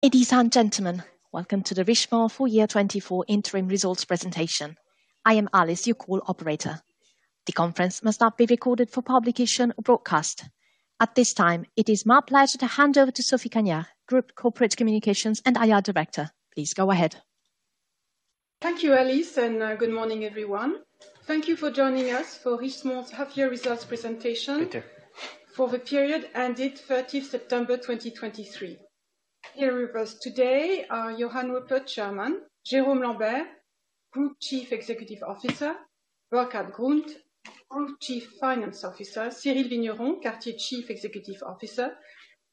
Ladies and gentlemen, welcome to the Richemont full year 2024 interim results presentation. I am Alice, your call operator. The conference must not be recorded for publication or broadcast. At this time, it is my pleasure to hand over to Sophie Cagnard, Group Corporate Communications and IR Director. Please go ahead. Thank you, Alice, and good morning, everyone. Thank you for joining us for Richemont's half-year results presentation- Thank you. For the period ended 30th September 2023. Here with us today are Johann Rupert, Chairman; Jérôme Lambert, Group Chief Executive Officer; Burkhart Grund, Group Chief Finance Officer; Cyrille Vigneron, Cartier Chief Executive Officer;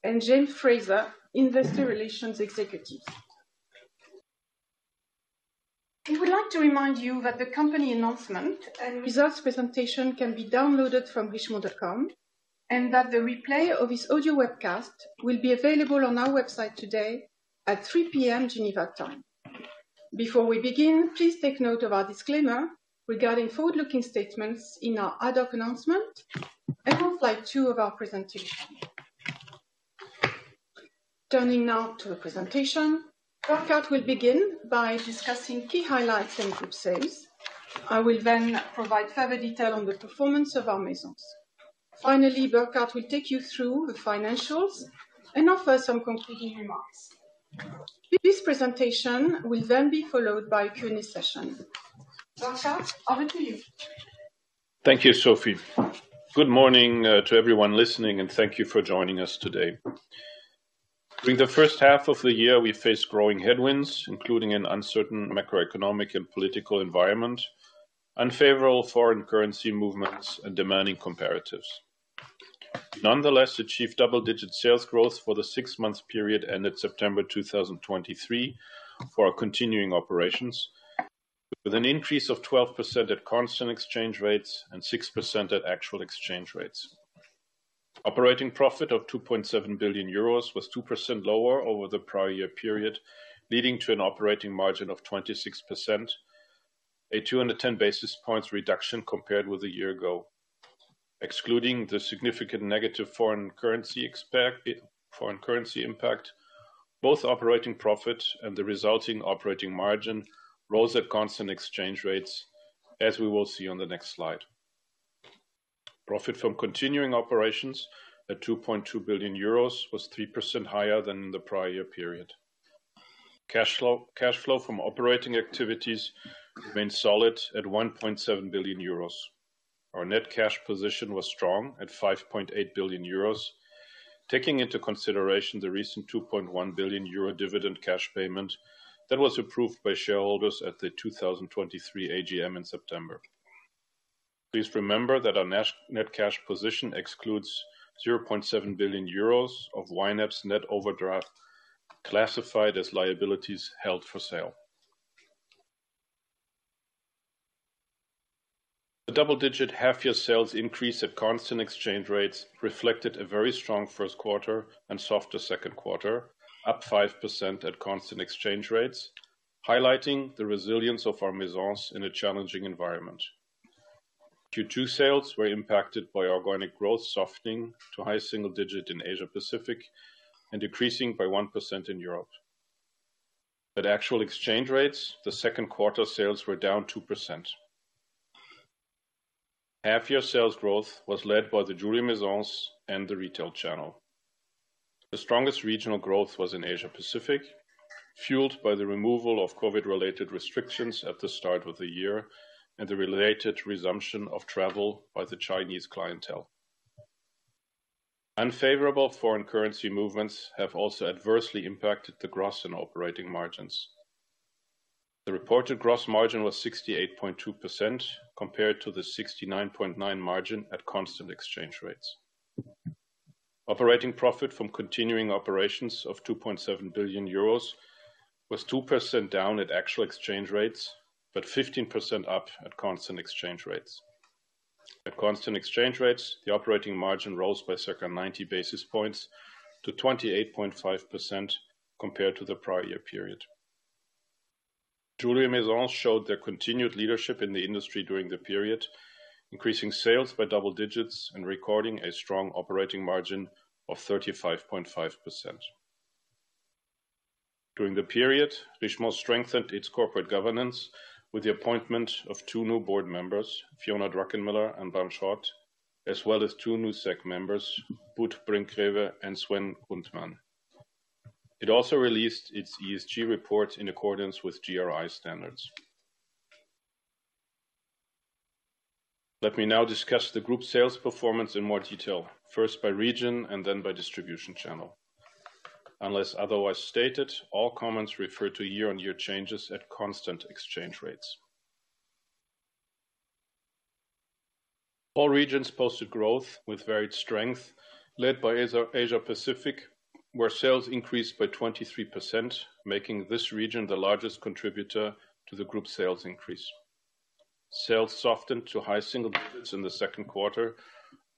and James Fraser, Investor Relations Executive. We would like to remind you that the company announcement and results presentation can be downloaded from Richemont.com, and that the replay of this audio webcast will be available on our website today at 3:00 P.M. Geneva time. Before we begin, please take note of our disclaimer regarding forward-looking statements in our ad hoc announcement and on slide 2 of our presentation. Turning now to the presentation, Burkhart will begin by discussing key highlights in group sales. I will then provide further detail on the performance of our Maisons. Finally, Burkhart will take you through the financials and offer some concluding remarks. This presentation will then be followed by a Q&A session. Burkhart, over to you. Thank you, Sophie. Good morning, to everyone listening, and thank you for joining us today. During the first half of the year, we faced growing headwinds, including an uncertain macroeconomic and political environment, unfavorable foreign currency movements, and demanding comparatives. Nonetheless, achieved double-digit sales growth for the six-month period ended September 2023 for our continuing operations, with an increase of 12% at constant exchange rates and 6% at actual exchange rates. Operating profit of 2.7 billion euros was 2% lower over the prior year period, leading to an operating margin of 26%, a 210 basis points reduction compared with a year ago. Excluding the significant negative foreign currency impact, both operating profit and the resulting operating margin rose at constant exchange rates, as we will see on the next slide. Profit from continuing operations at 2.2 billion euros was 3% higher than the prior year period. Cash flow, cash flow from operating activities remained solid at 1.7 billion euros. Our net cash position was strong at 5.8 billion euros, taking into consideration the recent 2.1 billion euro dividend cash payment that was approved by shareholders at the 2023 AGM in September. Please remember that our net cash position excludes 0.7 billion euros of YNAP's net overdraft, classified as liabilities held for sale. The double-digit half-year sales increase at constant exchange rates reflected a very strong first quarter and softer second quarter, up 5% at constant exchange rates, highlighting the resilience of our Maisons in a challenging environment. Q2 sales were impacted by organic growth softening to high single-digit in Asia Pacific and decreasing by 1% in Europe. At actual exchange rates, the second quarter sales were down 2%. Half-year sales growth was led by the Jewelry Maisons and the retail channel. The strongest regional growth was in Asia Pacific, fueled by the removal of COVID-related restrictions at the start of the year and the related resumption of travel by the Chinese clientele. Unfavorable foreign currency movements have also adversely impacted the gross and operating margins. The reported gross margin was 68.2%, compared to the 69.9% margin at constant exchange rates. Operating profit from continuing operations of 2.7 billion euros was 2% down at actual exchange rates, but 15% up at constant exchange rates. At constant exchange rates, the operating margin rose by circa 90 basis points to 28.5% compared to the prior year period. Jewelry Maisons showed their continued leadership in the industry during the period, increasing sales by double digits and recording a strong operating margin of 35.5%. During the period, Richemont strengthened its corporate governance with the appointment of two new board members, Fiona Druckenmiller and Bram Schot, as well as two new SEC members, Boet Brinkgreve and Sven Grundmann. It also released its ESG report in accordance with GRI standards. Let me now discuss the group's sales performance in more detail, first by region and then by distribution channel. Unless otherwise stated, all comments refer to year-on-year changes at constant exchange rates. All regions posted growth with varied strength, led by Asia Pacific, where sales increased by 23%, making this region the largest contributor to the group's sales increase. Sales softened to high single digits in the second quarter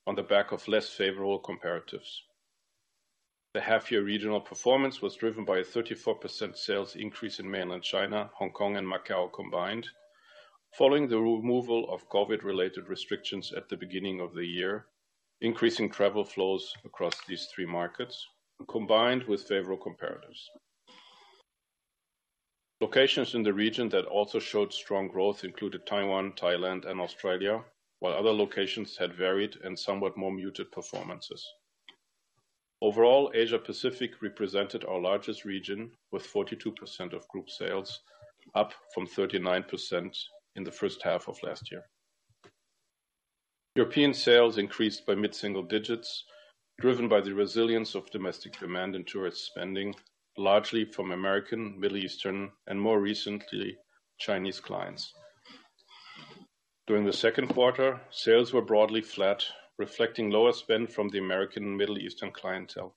on the back of less favorable comparatives. The half-year regional performance was driven by a 34% sales increase in Mainland China, Hong Kong, and Macau combined. Following the removal of COVID-related restrictions at the beginning of the year. Increasing travel flows across these three markets, combined with favorable comparatives. Locations in the region that also showed strong growth included Taiwan, Thailand and Australia, while other locations had varied and somewhat more muted performances. Overall, Asia Pacific represented our largest region, with 42% of group sales, up from 39% in the first half of last year. European sales increased by mid-single digits, driven by the resilience of domestic demand and tourist spending, largely from American, Middle Eastern, and more recently, Chinese clients. During the second quarter, sales were broadly flat, reflecting lower spend from the American and Middle Eastern clientele.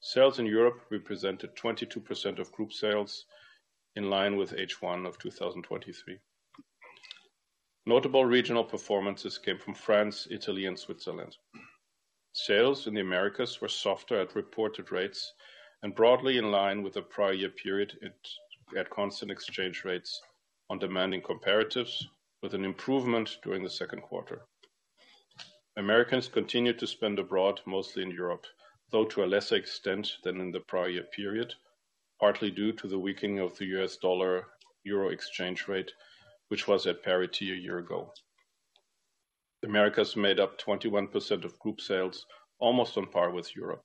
Sales in Europe represented 22% of group sales, in line with H1 of 2023. Notable regional performances came from France, Italy, and Switzerland. Sales in the Americas were softer at reported rates and broadly in line with the prior year period at constant exchange rates on demanding comparatives, with an improvement during the second quarter. Americans continued to spend abroad, mostly in Europe, though to a lesser extent than in the prior year period, partly due to the weakening of the U.S. dollar/euro exchange rate, which was at parity a year ago. The Americas made up 21% of group sales, almost on par with Europe.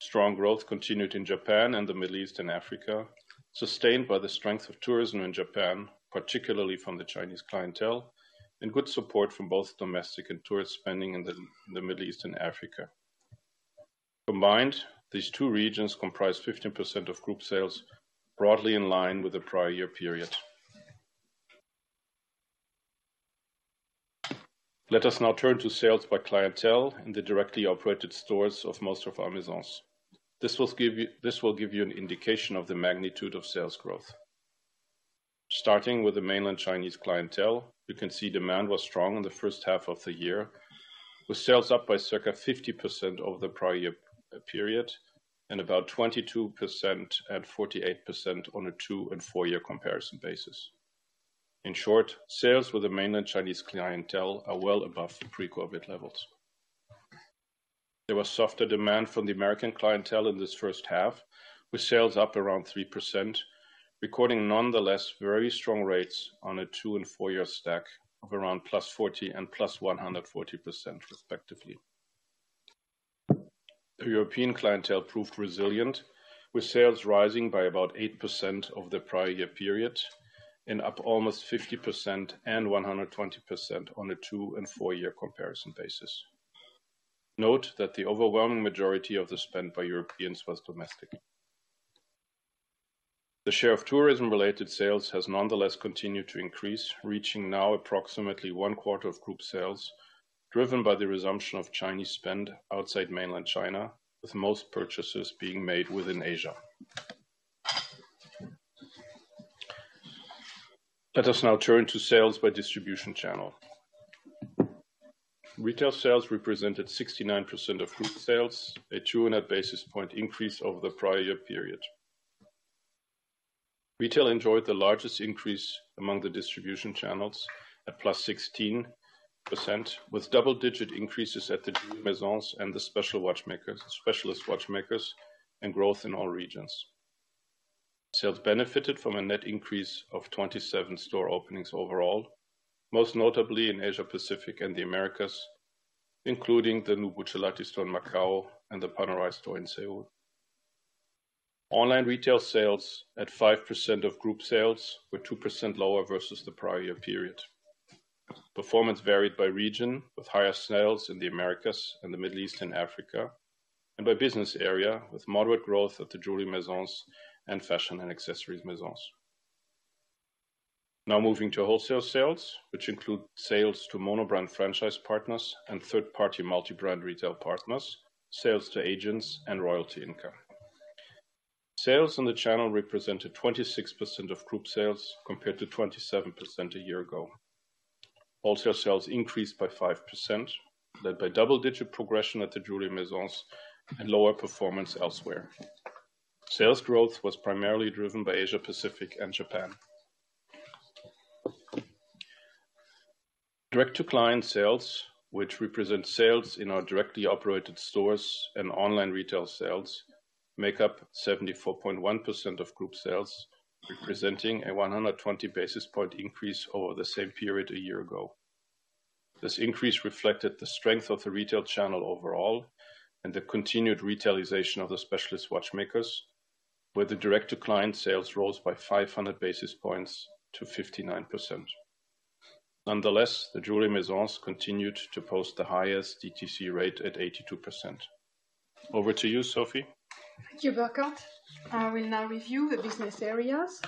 Strong growth continued in Japan and the Middle East and Africa, sustained by the strength of tourism in Japan, particularly from the Chinese clientele, and good support from both domestic and tourist spending in the Middle East and Africa. Combined, these two regions comprise 15% of group sales, broadly in line with the prior year period. Let us now turn to sales by clientele in the directly operated stores of most of our Maisons. This will give you an indication of the magnitude of sales growth. Starting with the Mainland Chinese clientele, you can see demand was strong in the first half of the year, with sales up by circa 50% over the prior year period, and about 22% and 48% on a 2- and 4-year comparison basis. In short, sales with the Mainland Chinese clientele are well above the pre-COVID levels. There was softer demand from the American clientele in this first half, with sales up around 3%, recording nonetheless very strong rates on a 2- and 4-year stack of around +40% and +140% respectively. The European clientele proved resilient, with sales rising by about 8% over the prior year period, and up almost 50% and 120% on a 2- and 4-year comparison basis. Note that the overwhelming majority of the spend by Europeans was domestic. The share of tourism-related sales has nonetheless continued to increase, reaching now approximately one quarter of group sales, driven by the resumption of Chinese spend outside Mainland China, with most purchases being made within Asia. Let us now turn to sales by distribution channel. Retail sales represented 69% of group sales, a 200 basis point increase over the prior year period. Retail enjoyed the largest increase among the distribution channels at +16%, with double-digit increases at the Jewelry Maisons and the Specialist Watchmakers, and growth in all regions. Sales benefited from a net increase of 27 store openings overall, most notably in Asia Pacific and the Americas, including the new Buccellati store in Macau and the Panerai store in Seoul. Online retail sales, at 5% of group sales, were 2% lower versus the prior year period. Performance varied by region, with higher sales in The Americas and the Middle East and Africa, and by business area, with moderate growth at the Jewelry Maisons and Fashion and Accessories Maisons. Now moving to wholesale sales, which include sales to monobrand franchise partners and third-party multi-brand retail partners, sales to agents and royalty income. Sales on the channel represented 26% of group sales, compared to 27% a year ago. Wholesale sales increased by 5%, led by double-digit progression at the Jewelry Maisons and lower performance elsewhere. Sales growth was primarily driven by Asia Pacific and Japan. Direct-to-client sales, which represent sales in our directly operated stores and online retail sales, make up 74.1% of group sales, representing a 120 basis point increase over the same period a year ago. This increase reflected the strength of the retail channel overall and the continued retailization of the specialist watchmakers, where the direct-to-client sales rose by 500 basis points to 59%. Nonetheless, the Jewelry Maisons continued to post the highest DTC rate at 82%. Over to you, Sophie. Thank you, Burkhart. I will now review the business areas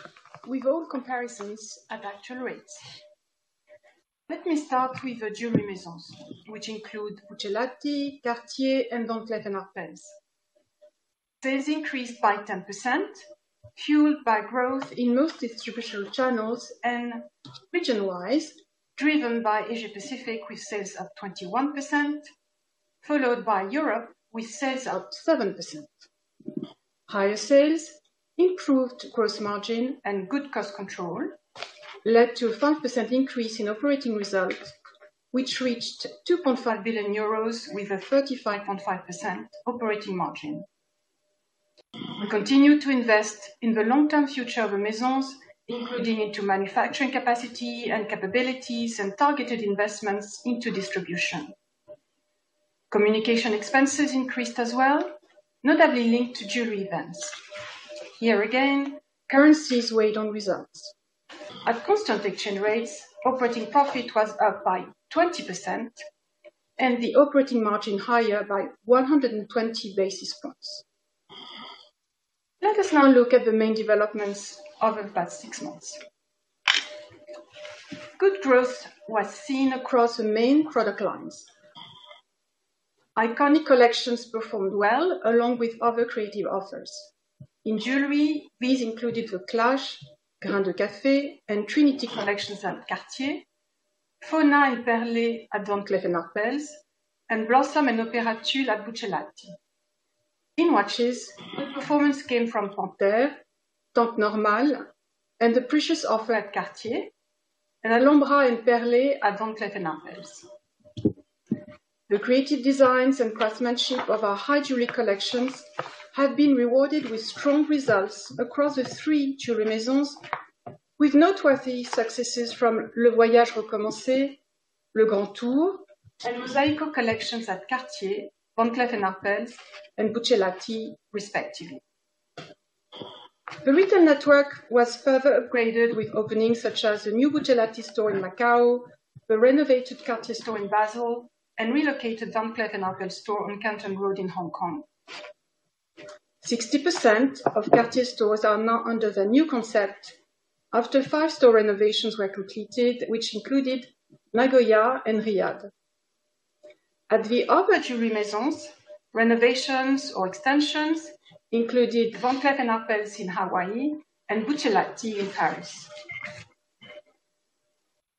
with all comparisons at actual rates. Let me start with the Jewelry Maisons, which include Buccellati, Cartier, and Van Cleef & Arpels. Sales increased by 10%, fueled by growth in most distribution channels and region-wise, driven by Asia Pacific, with sales of 21%, followed by Europe, with sales up 7%. Higher sales, improved gross margin, and good cost control led to a 5% increase in operating results, which reached 2.5 billion euros with a 35.5% operating margin. We continue to invest in the long-term future of the Maisons, including into manufacturing capacity and capabilities, and targeted investments into distribution. Communication expenses increased as well, notably linked to jewelry events. Here again, currencies weighed on results. At constant exchange rates, operating profit was up by 20% and the operating margin higher by 120 basis points. Let us now look at the main developments over the past six months. Good growth was seen across the main product lines. Iconic collections performed well, along with other creative offers. In jewelry, these included the Clash, Grain de Café, and Trinity collections at Cartier, Fauna and Perlée at Van Cleef & Arpels, and Blossom and Opera Tulle at Buccellati. In watches, good performance came from Panthère, Tank Normale, and the Precious offer at Cartier, and Alhambra and Perlée at Van Cleef & Arpels. The creative designs and craftsmanship of our high jewelry collections have been rewarded with strong results across the three jewelry Maisons, with noteworthy successes from Le Voyage Recommencé, Le Grand Tour, and Mosaico collections at Cartier, Van Cleef & Arpels, and Buccellati, respectively. The retail network was further upgraded with openings such as the new Buccellati store in Macau, the renovated Cartier store in Basel, and relocated Van Cleef & Arpels store on Canton Road in Hong Kong. 60% of Cartier stores are now under the new concept, after five store renovations were completed, which included Nagoya and Riyadh. At the other jewelry Maisons, renovations or extensions included Van Cleef & Arpels in Hawaii and Buccellati in Paris.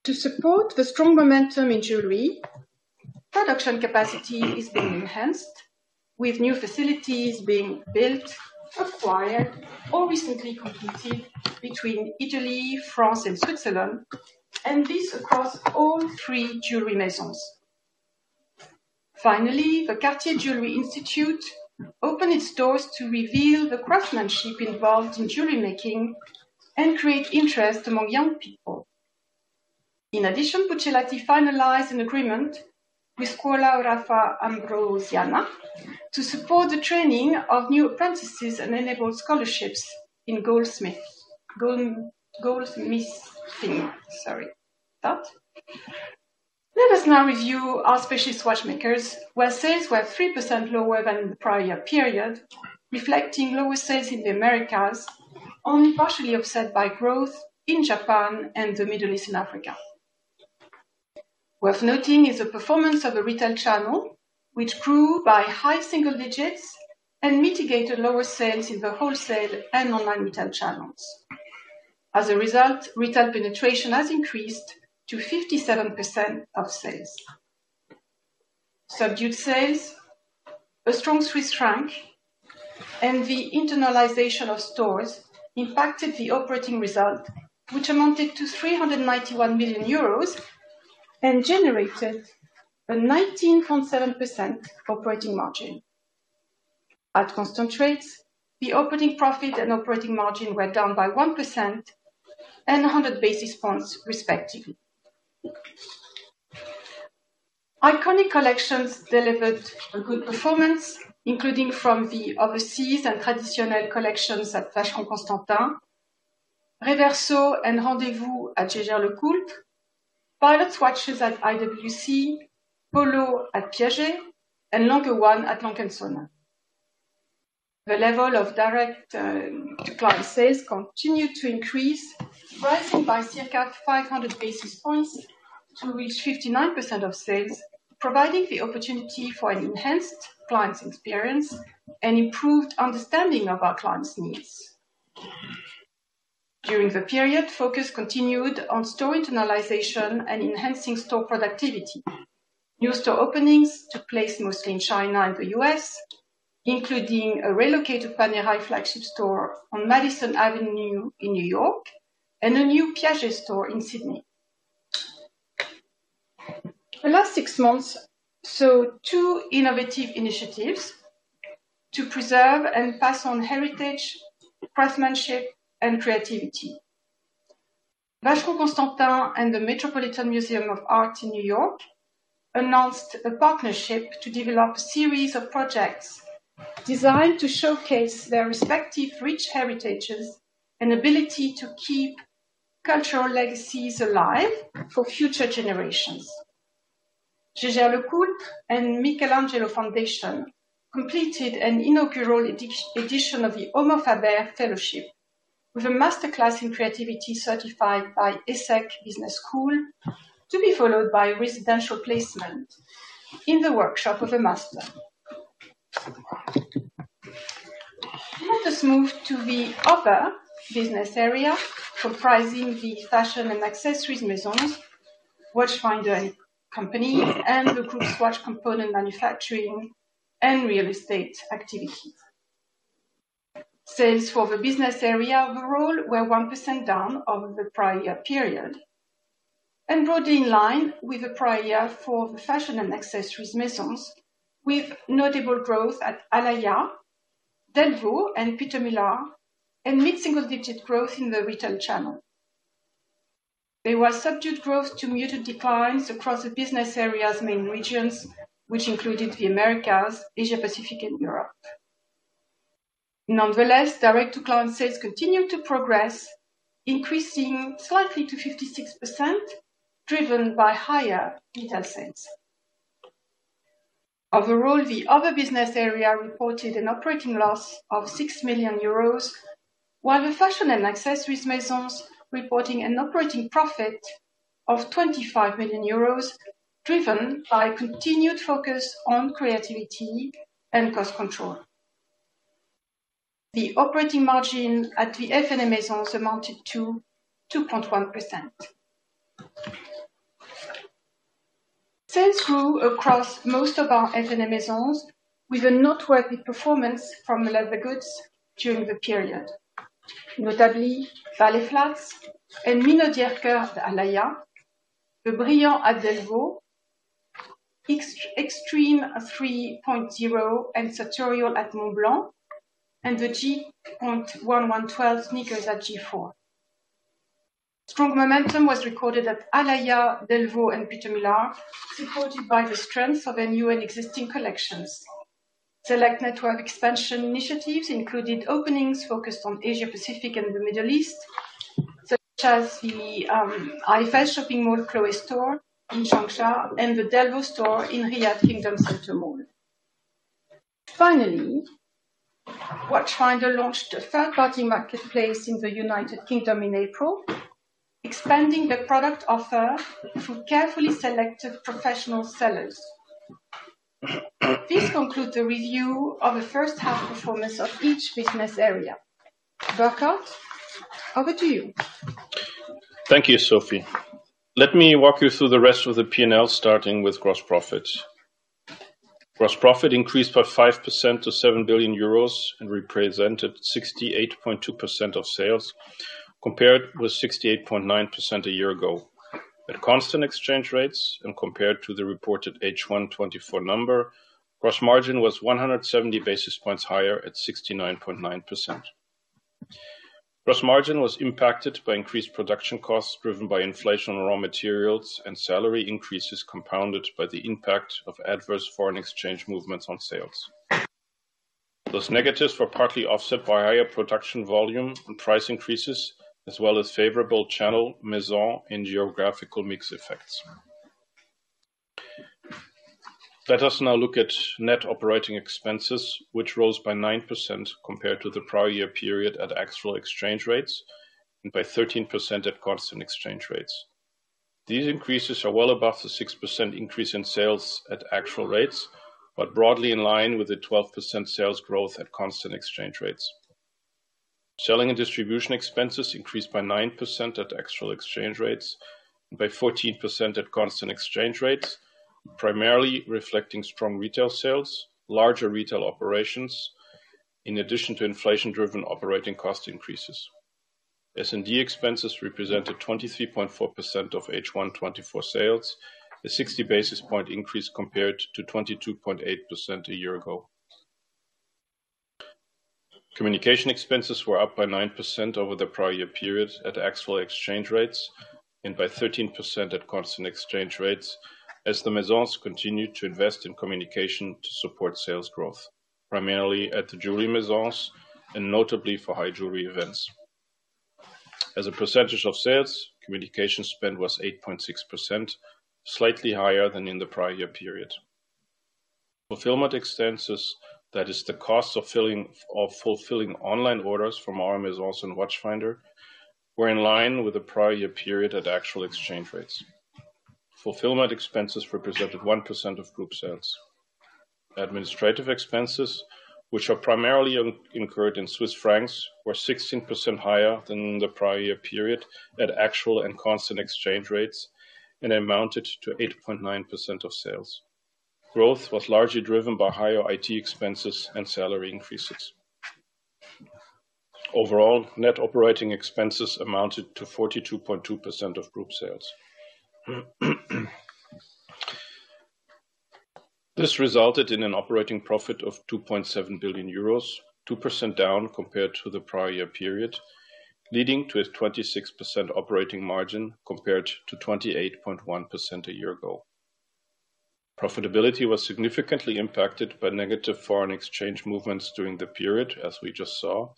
To support the strong momentum in jewelry, production capacity is being enhanced, with new facilities being built, acquired, or recently completed between Italy, France, and Switzerland, and this across all three jewelry Maisons. Finally, the Cartier Jewelry Institute opened its doors to reveal the craftsmanship involved in jewelry making and create interest among young people. In addition, Buccellati finalized an agreement with Scuola Orafa Ambrosiana to support the training of new apprentices and enable scholarships in goldsmith, gold, goldsmithing. Let us now review our specialist watchmakers, where sales were 3% lower than the prior period, reflecting lower sales in The Americas, only partially offset by growth in Japan and the Middle East and Africa. Worth noting is the performance of the retail channel, which grew by high single digits and mitigated lower sales in the wholesale and online retail channels. As a result, retail penetration has increased to 57% of sales. Subdued sales, a strong Swiss franc, and the internalization of stores impacted the operating result, which amounted to 391 million euros and generated a 19.7% operating margin. At constant rates, the operating profit and operating margin were down by 1% and 100 basis points, respectively. Iconic collections delivered a good performance, including from the Overseas and Traditionnelle collections at Vacheron Constantin, Reverso and Rendez-Vous at Jaeger-LeCoultre, Pilot watches at IWC, Polo at Piaget, and Lange 1 at A. Lange & Söhne. The level of direct client sales continued to increase, rising by circa 500 basis points to reach 59% of sales, providing the opportunity for an enhanced client experience and improved understanding of our clients' needs. During the period, focus continued on store internalization and enhancing store productivity. New store openings took place mostly in China and the US, including a relocated Panerai flagship store on Madison Avenue in New York, and a new Piaget store in Sydney. The last six months saw two innovative initiatives to preserve and pass on heritage, craftsmanship, and creativity. Vacheron Constantin and the Metropolitan Museum of Art in New York announced a partnership to develop a series of projects designed to showcase their respective rich heritages and ability to keep cultural legacies alive for future generations. Jaeger-LeCoultre and Michelangelo Foundation completed an inaugural edition of the Homo Faber Fellowship, with a masterclass in creativity certified by ESSEC Business School, to be followed by residential placement in the workshop of a master. Let us move to the other business area, comprising the fashion and accessories Maisons, Watchfinder & Co., and the group's watch component manufacturing and real estate activity. Sales for the business area overall were 1% down over the prior year period, and broadly in line with the prior year for the fashion and accessories Maisons, with notable growth at Alaïa, Delvaux, and Peter Millar, and mid-single-digit growth in the retail channel. There was subdued growth to muted declines across the business area's main regions, which included The Americas, Asia Pacific, and Europe. Nonetheless, direct-to-client sales continued to progress, increasing slightly to 56%, driven by higher retail sales. Overall, the other business area reported an operating loss of 6 million euros, while the fashion and accessories Maisons reporting an operating profit of 25 million euros, driven by continued focus on creativity and cost control. The operating margin at the F&A Maisons amounted to 2.1%. Sales grew across most of our F&A Maisons, with a noteworthy performance from the leather goods during the period, notably Ballet flats and Minaudière Alaïa, the Brillant at Delvaux, Extreme 3.0, and Sartorial at Montblanc, and the G.112 sneakers at G/FORE. Strong momentum was recorded at Alaïa, Delvaux, and Peter Millar, supported by the strength of their new and existing collections. Select network expansion initiatives included openings focused on Asia Pacific and the Middle East, such as the IFS Shopping Mall Chloé store in Changsha and the Delvaux store in Riyadh Kingdom Centre Mall. Finally, Watchfinder launched a third-party marketplace in the United Kingdom in April, expanding the product offer through carefully selected professional sellers. This concludes the review of the first half performance of each business area. Burkhart, over to you. Thank you, Sophie. Let me walk you through the rest of the P&L, starting with gross profit. Gross profit increased by 5% to 7 billion euros and represented 68.2% of sales, compared with 68.9% a year ago. At constant exchange rates and compared to the reported H1 2024 number, gross margin was 170 basis points higher at 69.9%. Gross margin was impacted by increased production costs driven by inflation on raw materials and salary increases, compounded by the impact of adverse foreign exchange movements on sales. Those negatives were partly offset by higher production volume and price increases, as well as favorable channel, Maison, and geographical mix effects. Let us now look at net operating expenses, which rose by 9% compared to the prior year period at actual exchange rates, and by 13% at constant exchange rates. These increases are well above the 6% increase in sales at actual rates, but broadly in line with the 12% sales growth at constant exchange rates. Selling and distribution expenses increased by 9% at actual exchange rates and by 14% at constant exchange rates, primarily reflecting strong retail sales, larger retail operations, in addition to inflation-driven operating cost increases. S&D expenses represented 23.4% of H1 2024 sales, a 60 basis point increase compared to 22.8% a year ago. Communication expenses were up by 9% over the prior year period at actual exchange rates and by 13% at constant exchange rates, as the Maisons continued to invest in communication to support sales growth, primarily at the jewelry Maisons and notably for high jewelry events. As a percentage of sales, communication spend was 8.6%, slightly higher than in the prior year period. Fulfillment expenses, that is the cost of fulfilling online orders from our Maisons and Watchfinder, were in line with the prior year period at actual exchange rates. Fulfillment expenses represented 1% of group sales. Administrative expenses, which are primarily incurred in Swiss francs, were 16% higher than in the prior year period at actual and constant exchange rates, and amounted to 8.9% of sales. Growth was largely driven by higher IT expenses and salary increases. Overall, net operating expenses amounted to 42.2% of group sales. This resulted in an operating profit of 2.7 billion euros, 2% down compared to the prior year period, leading to a 26% operating margin compared to 28.1% a year ago. Profitability was significantly impacted by negative foreign exchange movements during the period, as we just saw,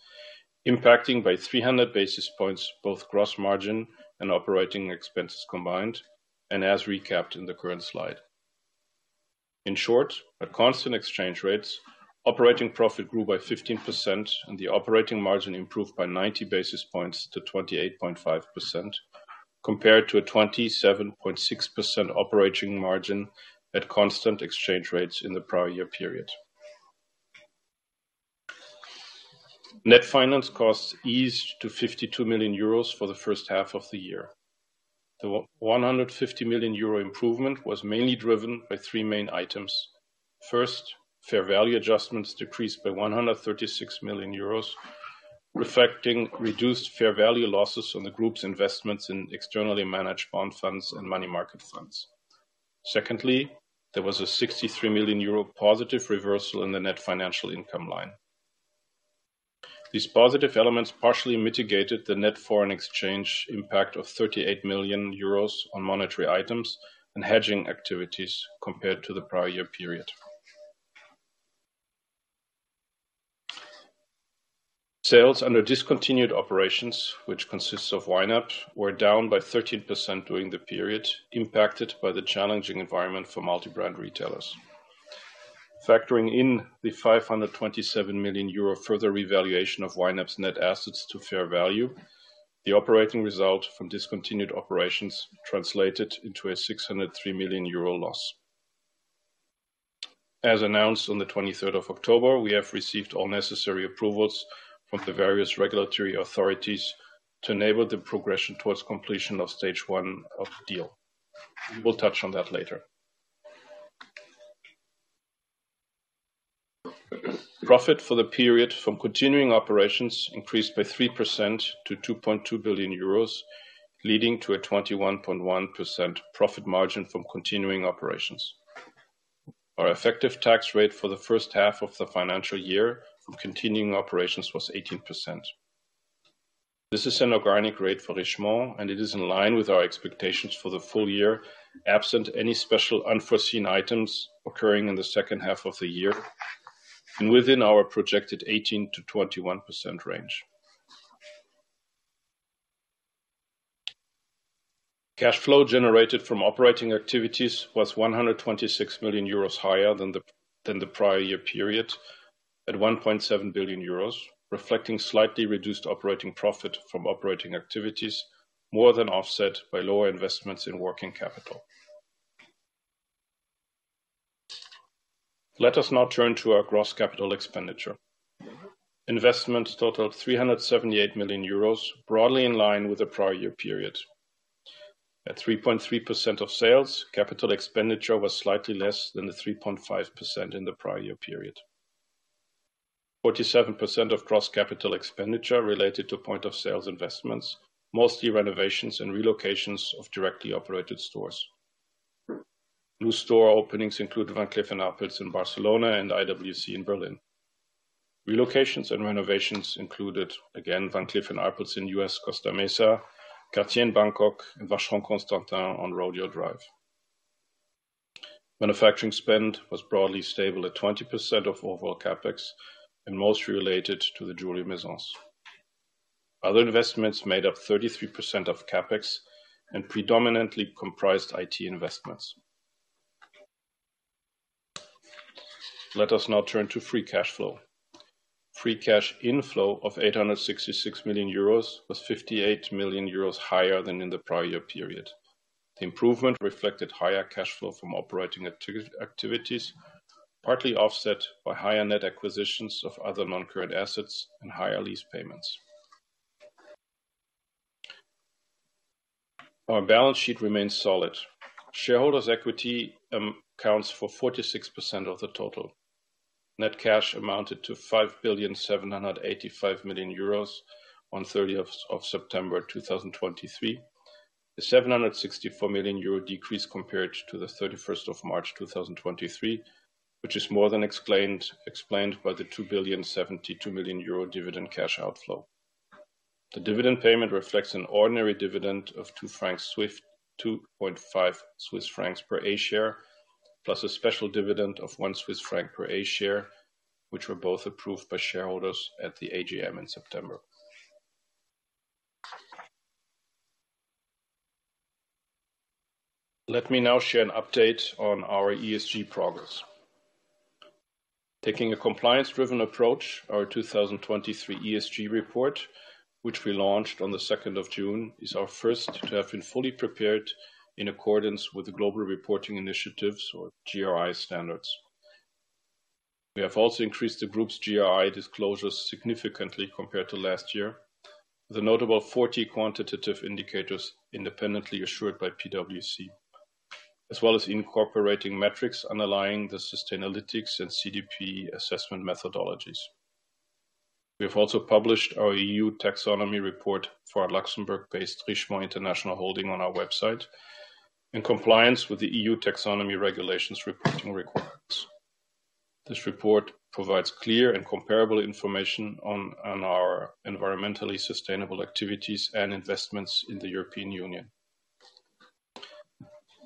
impacting by 300 basis points, both gross margin and operating expenses combined, and as recapped in the current slide. In short, at constant exchange rates, operating profit grew by 15% and the operating margin improved by 90 basis points to 28.5%... compared to a 27.6% operating margin at constant exchange rates in the prior year period. Net finance costs eased to 52 million euros for the first half of the year. The 150 million euro improvement was mainly driven by three main items. First, fair value adjustments decreased by 136 million euros, reflecting reduced fair value losses on the group's investments in externally managed bond funds and money market funds. Secondly, there was a 63 million euro positive reversal in the net financial income line. These positive elements partially mitigated the net foreign exchange impact of 38 million euros on monetary items and hedging activities compared to the prior year period. Sales under discontinued operations, which consists of YNAP, were down by 13% during the period, impacted by the challenging environment for multi-brand retailers. Factoring in the 527 million euro further revaluation of YNAP's net assets to fair value, the operating result from discontinued operations translated into a 603 million euro loss. As announced on the twenty-third of October, we have received all necessary approvals from the various regulatory authorities to enable the progression towards completion of stage one of the deal. We'll touch on that later. Profit for the period from continuing operations increased by 3% to 2.2 billion euros, leading to a 21.1% profit margin from continuing operations. Our effective tax rate for the first half of the financial year from continuing operations was 18%. This is an organic rate for Richemont, and it is in line with our expectations for the full year, absent any special unforeseen items occurring in the second half of the year, and within our projected 18%-21% range. Cash flow generated from operating activities was 126 million euros higher than the prior year period, at 1.7 billion euros, reflecting slightly reduced operating profit from operating activities, more than offset by lower investments in working capital. Let us now turn to our gross capital expenditure. Investments totaled 378 million euros, broadly in line with the prior year period. At 3.3% of sales, capital expenditure was slightly less than the 3.5% in the prior year period. 47% of gross capital expenditure related to point of sales investments, mostly renovations and relocations of directly operated stores. New store openings include Van Cleef & Arpels in Barcelona and IWC in Berlin. Relocations and renovations included, again, Van Cleef & Arpels in U.S., Costa Mesa, Cartier in Bangkok, and Vacheron Constantin on Rodeo Drive. Manufacturing spend was broadly stable at 20% of overall CapEx, and mostly related to the Jewelry Maisons. Other investments made up 33% of CapEx, and predominantly comprised IT investments. Let us now turn to free cash flow. Free cash inflow of 866 million euros was 58 million euros higher than in the prior year period. The improvement reflected higher cash flow from operating activities, partly offset by higher net acquisitions of other non-current assets and higher lease payments. Our balance sheet remains solid. Shareholders' equity accounts for 46% of the total. Net cash amounted to 5,785 million euros on the 30th of September, 2023. A 764 million euro decrease compared to March 31, 2023, which is more than explained by the 2,072 million euro dividend cash outflow. The dividend payment reflects an ordinary dividend of 2 Swiss francs, 2.5 Swiss francs per A share, plus a special dividend of 1 Swiss franc per A share, which were both approved by shareholders at the AGM in September. Let me now share an update on our ESG progress. Taking a compliance-driven approach, our 2023 ESG report, which we launched on June 2, is our first to have been fully prepared in accordance with the Global Reporting Initiative or GRI standards. We have also increased the group's GRI disclosures significantly compared to last year. The notable 40 quantitative indicators independently assured by PwC, as well as incorporating metrics underlying the Sustainalytics and CDP assessment methodologies. We have also published our EU taxonomy report for our Luxembourg-based Richemont International Holding on our website, in compliance with the EU Taxonomy Regulations reporting requirements. This report provides clear and comparable information on our environmentally sustainable activities and investments in the European Union.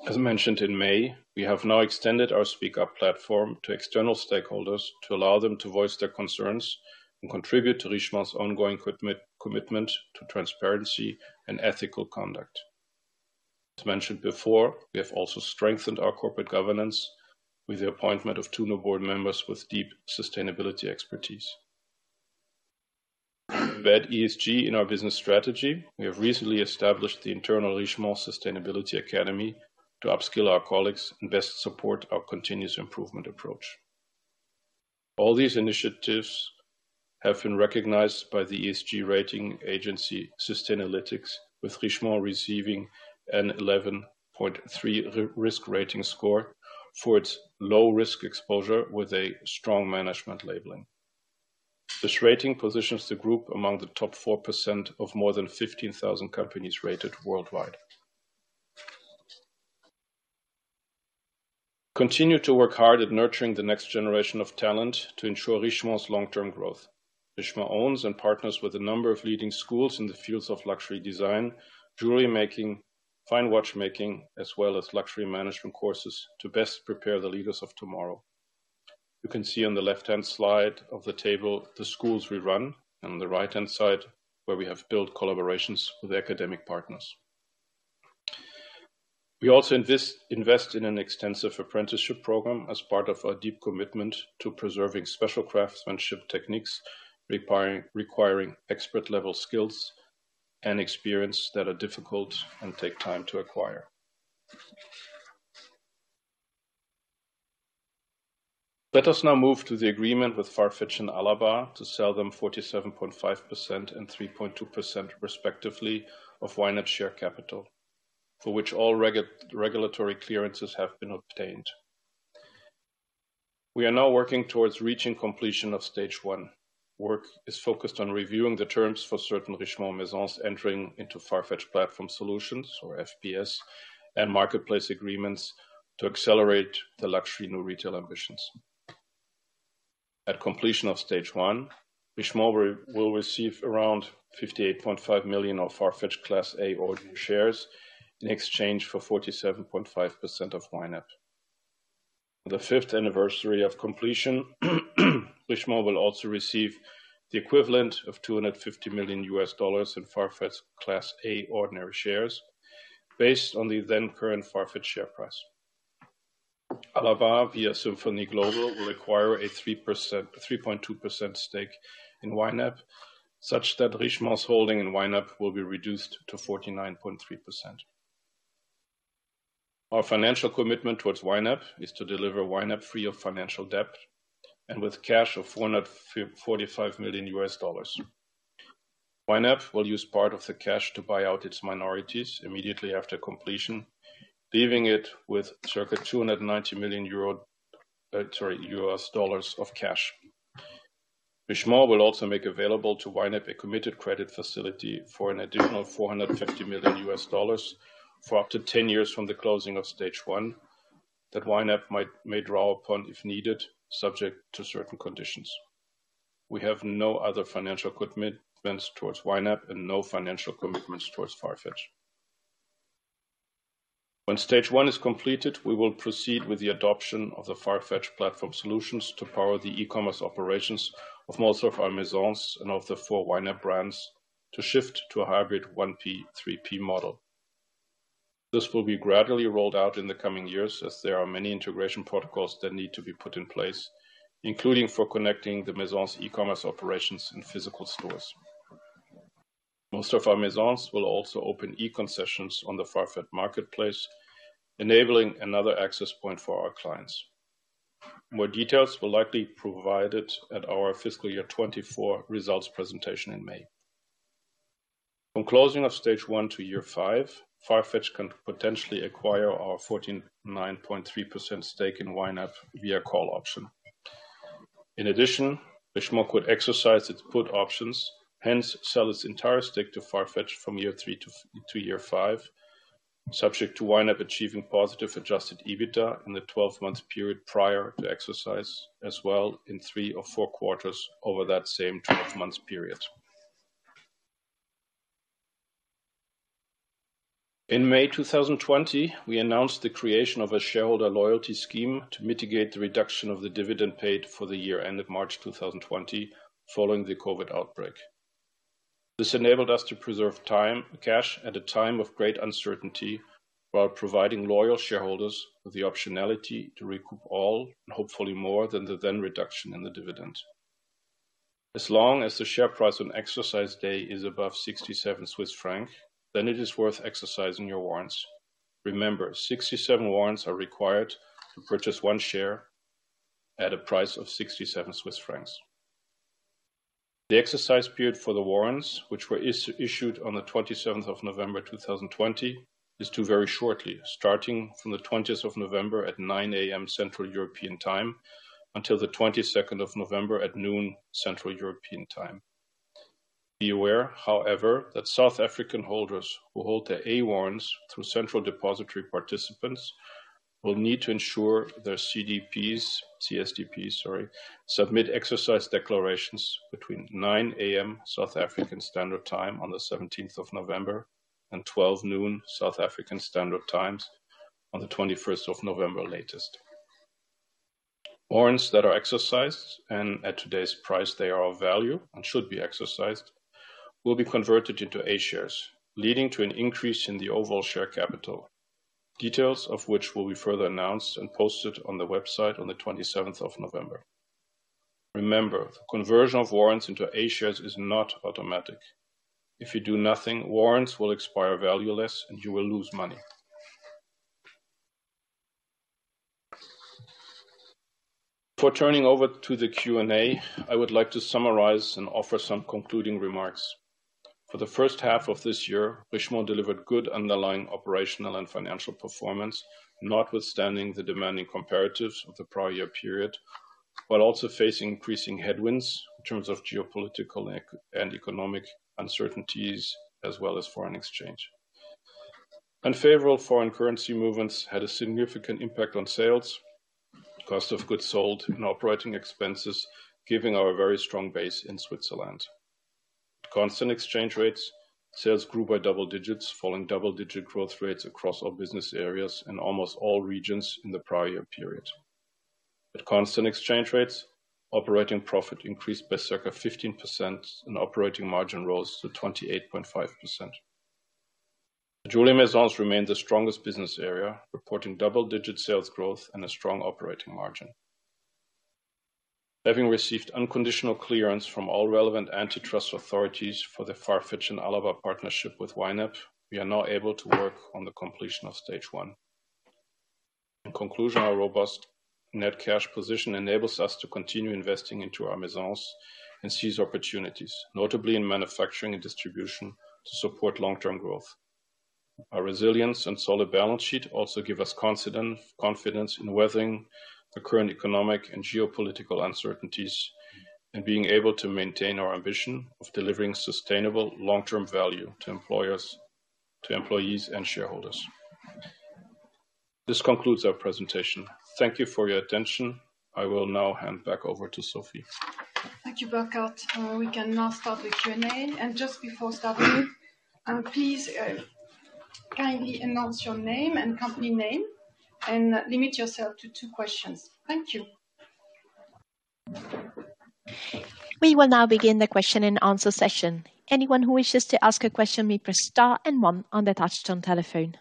As mentioned in May, we have now extended our SpeakUp platform to external stakeholders to allow them to voice their concerns and contribute to Richemont's ongoing commitment to transparency and ethical conduct. As mentioned before, we have also strengthened our corporate governance with the appointment of two new board members with deep sustainability expertise. To embed ESG in our business strategy, we have recently established the internal Richemont Sustainability Academy to upskill our colleagues and best support our continuous improvement approach. All these initiatives have been recognized by the ESG rating agency, Sustainalytics, with Richemont receiving an 11.3 risk rating score for its low risk exposure, with a strong management labeling. This rating positions the group among the top 4% of more than 15,000 companies rated worldwide. We continue to work hard at nurturing the next generation of talent to ensure Richemont's long-term growth. Richemont owns and partners with a number of leading schools in the fields of luxury design, jewelry making, fine watchmaking, as well as luxury management courses to best prepare the leaders of tomorrow. You can see on the left-hand slide of the table, the schools we run, and on the right-hand side, where we have built collaborations with academic partners. We also invest in an extensive apprenticeship program as part of our deep commitment to preserving special craftsmanship techniques, requiring expert-level skills and experience that are difficult and take time to acquire. Let us now move to the agreement with Farfetch and Alabbar to sell them 47.5% and 3.2%, respectively, of YNAP share capital, for which all regulatory clearances have been obtained. We are now working towards reaching completion of stage one. Work is focused on reviewing the terms for certain Richemont Maisons entering into Farfetch platform solutions, or FPS, and marketplace agreements to accelerate the Luxury New Retail ambitions. At completion of stage one, Richemont will receive around 58.5 million of Farfetch Class A ordinary shares in exchange for 47.5% of YNAP. On the fifth anniversary of completion, Richemont will also receive the equivalent of $250 million in Farfetch Class A ordinary shares, based on the then current Farfetch share price. Alabbar, via Symphony Global, will acquire a 3.2% stake in YNAP, such that Richemont's holding in YNAP will be reduced to 49.3%. Our financial commitment towards YNAP is to deliver YNAP free of financial debt, and with cash of $445 million. YNAP will use part of the cash to buy out its minorities immediately after completion, leaving it with circa $290 million of cash. Richemont will also make available to YNAP a committed credit facility for an additional $450 million for up to 10 years from the closing of stage one, that YNAP may draw upon, if needed, subject to certain conditions. We have no other financial commitments towards YNAP and no financial commitments towards Farfetch. When stage one is completed, we will proceed with the adoption of the Farfetch Platform Solutions to power the e-commerce operations of most of our Maisons and of the four YNAP brands to shift to a hybrid 1P, 3P model. This will be gradually rolled out in the coming years, as there are many integration protocols that need to be put in place, including for connecting the Maisons' e-commerce operations in physical stores. Most of our Maisons will also open e-concessions on the Farfetch marketplace, enabling another access point for our clients. More details will likely be provided at our fiscal year 2024 results presentation in May. From closing of stage one to year 5, Farfetch can potentially acquire our 49.3% stake in YNAP via call option. In addition, Richemont could exercise its put options, hence sell its entire stake to Farfetch from year 3 to year 5, subject to YNAP achieving positive adjusted EBITDA in the 12-month period prior to exercise, as well in 3 or 4 quarters over that same 12-month period. In May 2020, we announced the creation of a shareholder loyalty scheme to mitigate the reduction of the dividend paid for the year end of March 2020, following the COVID outbreak. This enabled us to preserve time, cash, at a time of great uncertainty, while providing loyal shareholders with the optionality to recoup all, and hopefully more, than the then reduction in the dividend. As long as the share price on exercise day is above 67 Swiss franc, then it is worth exercising your warrants. Remember, 67 warrants are required to purchase one share at a price of 67 Swiss francs. The exercise period for the warrants, which were issued on the 27th of November 2020, is to very shortly, starting from the 20th of November at 9:00 A.M. Central European Time, until the 22nd of November at 12:00 P.M. Central European Time. Be aware, however, that South African holders who hold their A warrants through central depository participants, will need to ensure their CSDPs, sorry, submit exercise declarations between 9:00 A.M., South African Standard Time, on the seventeenth of November, and 12:00 noon, South African Standard Time, on the twenty-first of November, latest. Warrants that are exercised, and at today's price, they are of value and should be exercised, will be converted into A shares, leading to an increase in the overall share capital. Details of which will be further announced and posted on the website on the twenty-seventh of November. Remember, the conversion of warrants into A shares is not automatic. If you do nothing, warrants will expire valueless, and you will lose money. Before turning over to the Q&A, I would like to summarize and offer some concluding remarks. For the first half of this year, Richemont delivered good underlying operational and financial performance, notwithstanding the demanding comparatives of the prior year period, but also facing increasing headwinds in terms of geopolitical and economic uncertainties, as well as foreign exchange. Unfavorable foreign currency movements had a significant impact on sales, cost of goods sold, and operating expenses, given our very strong base in Switzerland. Constant exchange rates, sales grew by double digits, following double-digit growth rates across all business areas in almost all regions in the prior year period. At constant exchange rates, operating profit increased by circa 15% and operating margin rose to 28.5%. Jewelry Maisons remained the strongest business area, reporting double-digit sales growth and a strong operating margin. Having received unconditional clearance from all relevant antitrust authorities for the Farfetch and Alabbar partnership with YNAP, we are now able to work on the completion of stage one. In conclusion, our robust net cash position enables us to continue investing into our Maisons and seize opportunities, notably in manufacturing and distribution, to support long-term growth. Our resilience and solid balance sheet also give us confidence, confidence in weathering the current economic and geopolitical uncertainties, and being able to maintain our ambition of delivering sustainable long-term value to employers, to employees, and shareholders. This concludes our presentation. Thank you for your attention. I will now hand back over to Sophie. Thank you, Burkhart. We can now start the Q&A. Just before starting, please kindly announce your name and company name, and limit yourself to two questions. Thank you. We will now begin the question-and-answer session. Anyone who wishes to ask a question may press star and one on the touchtone telephone.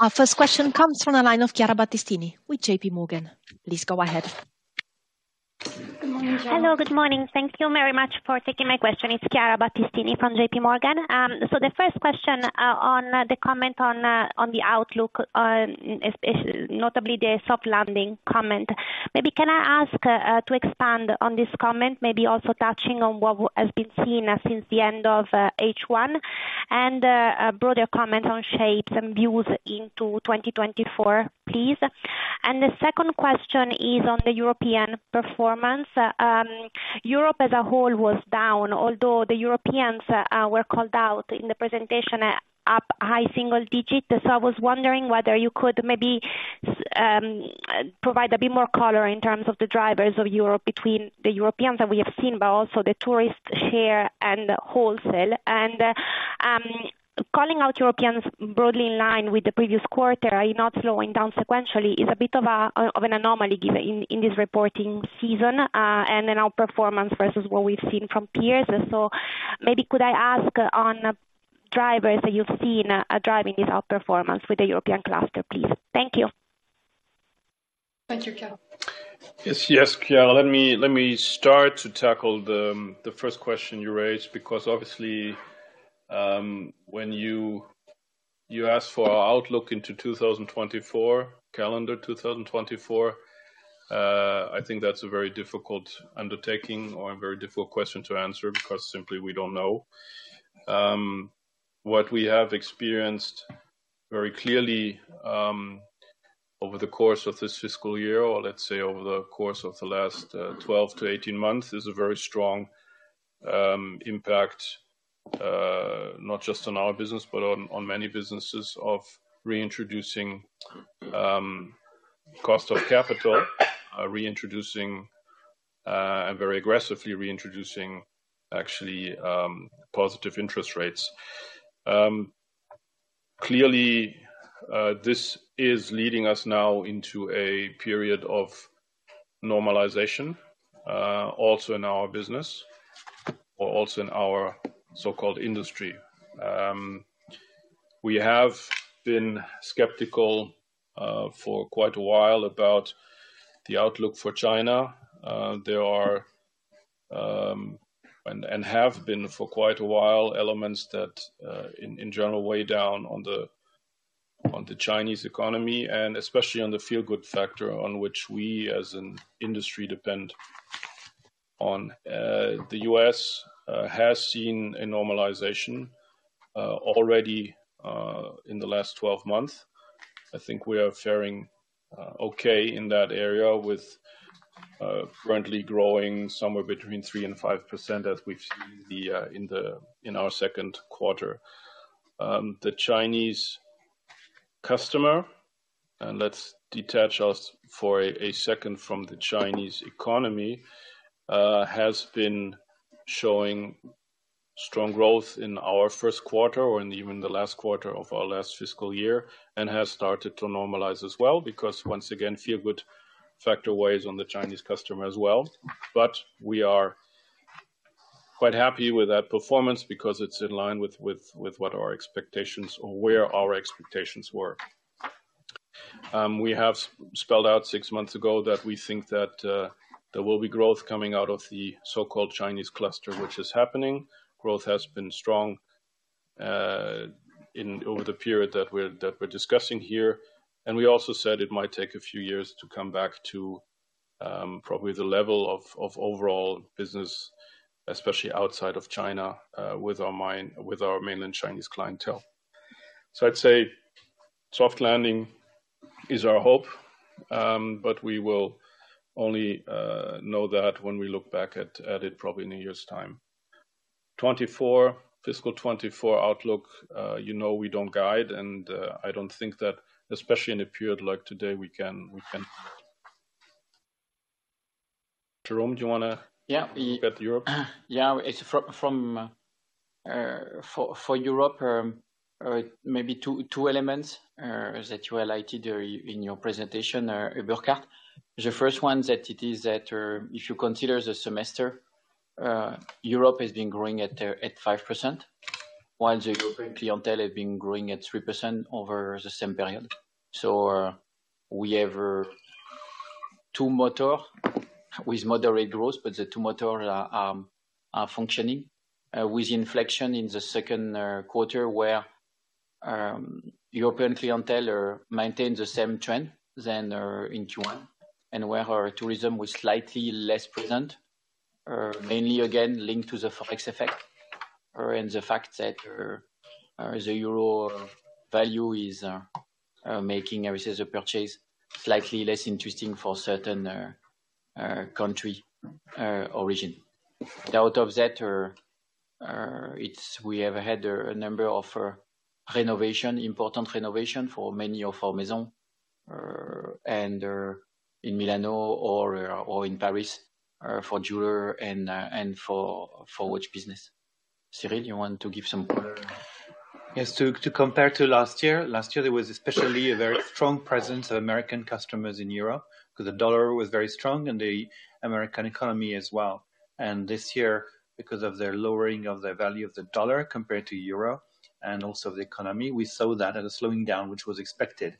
Our first question comes from the line of Chiara Battistini with JP Morgan. Please go ahead. Good morning, Chiara. Hello, good morning. Thank you very much for taking my question. It's Chiara Battistini from JP Morgan. So the first question on the comment on the outlook, notably the soft landing comment. Maybe can I ask to expand on this comment, maybe also touching on what has been seen since the end of H1, and a broader comment on shapes and views into 2024, please? And the second question is on the European performance. Europe as a whole was down, although the Europeans were called out in the presentation at up high single digits. So I was wondering whether you could maybe provide a bit more color in terms of the drivers of Europe between the Europeans that we have seen, but also the tourist share and wholesale. Calling out Europeans broadly in line with the previous quarter, are you not slowing down sequentially? It's a bit of an anomaly given in this reporting season and an outperformance versus what we've seen from peers. So maybe could I ask on drivers that you've seen driving this outperformance with the European cluster, please? Thank you. Thank you, Chiara. Yes, yes, Chiara, let me, let me start to tackle the first question you raised, because obviously, when you ask for our outlook into 2024, calendar 2024, I think that's a very difficult undertaking or a very difficult question to answer because simply, we don't know. What we have experienced very clearly, over the course of this fiscal year, or let's say over the course of the last 12 to 18 months, is a very strong impact, not just on our business, but on many businesses of reintroducing cost of capital, reintroducing and very aggressively reintroducing, actually, positive interest rates. Clearly, this is leading us now into a period of normalization, also in our business or also in our so-called industry. We have been skeptical for quite a while about the outlook for China. There are, and have been for quite a while, elements that, in general, weigh down on the Chinese economy, and especially on the feel-good factor, on which we, as an industry, depend on. The U.S. has seen a normalization already in the last 12 months. I think we are faring okay in that area with currently growing somewhere between 3%-5%, as we've seen in our second quarter. The Chinese customer, and let's detach us for a second from the Chinese economy, has been showing strong growth in our first quarter or in even the last quarter of our last fiscal year, and has started to normalize as well, because once again, feel-good factor weighs on the Chinese customer as well. But we are quite happy with that performance because it's in line with what our expectations or where our expectations were. We have spelled out six months ago that we think that there will be growth coming out of the so-called Chinese cluster, which is happening. Growth has been strong in over the period that we're discussing here. And we also said it might take a few years to come back to probably the level of overall business, especially outside of China, with our main, with our mainland Chinese clientele. So I'd say soft landing is our hope, but we will only know that when we look back at it probably in a year's time. 2024, fiscal 2024 outlook, you know, we don't guide, and I don't think that especially in a period like today, we can... Jérôme, do you wanna- Yeah. About Europe? Yeah, it's from, for, for Europe, maybe two elements that you highlighted in your presentation, Burkhart. The first one, that it is that, if you consider the semester, Europe has been growing at 5%, while the European clientele have been growing at 3% over the same period. So, we have two motor with moderate growth, but the two motor are functioning with inflection in the second quarter, where European clientele maintain the same trend than in Q1, and where our tourism was slightly less present, mainly again, linked to the Forex effect, and the fact that the euro value is making a reserve purchase slightly less interesting for certain country origin. Out of that, we have had a number of important renovation for many of our Maison, and in Milano or in Paris, for jeweler and for watch business. Cyrille, you want to give some point? Yes, to compare to last year, last year, there was especially a very strong presence of American customers in Europe, because the dollar was very strong and the American economy as well. And this year, because of their lowering of the value of the dollar compared to euro and also the economy, we saw that at a slowing down, which was expected.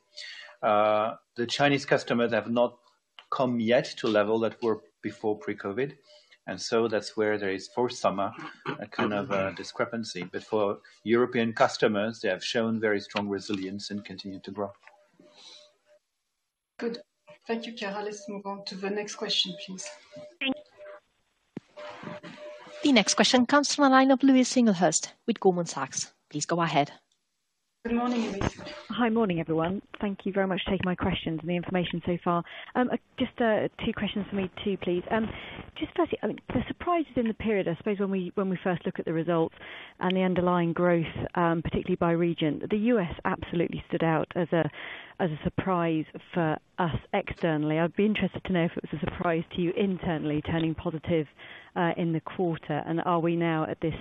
The Chinese customers have not come yet to a level that were before pre-COVID, and so that's where there is, for summer, a kind of discrepancy. But for European customers, they have shown very strong resilience and continue to grow. Good. Thank you, Carol. Let's move on to the next question, please. The next question comes from the line of Louise Singlehurst with Goldman Sachs. Please go ahead. Good morning, Louise. Hi, morning, everyone. Thank you very much for taking my questions and the information so far. Just two questions for me, too, please. Just firstly, the surprises in the period, I suppose when we, when we first look at the results and the underlying growth, particularly by region, the U.S. absolutely stood out as a surprise for us externally. I'd be interested to know if it was a surprise to you internally, turning positive in the quarter. And are we now at this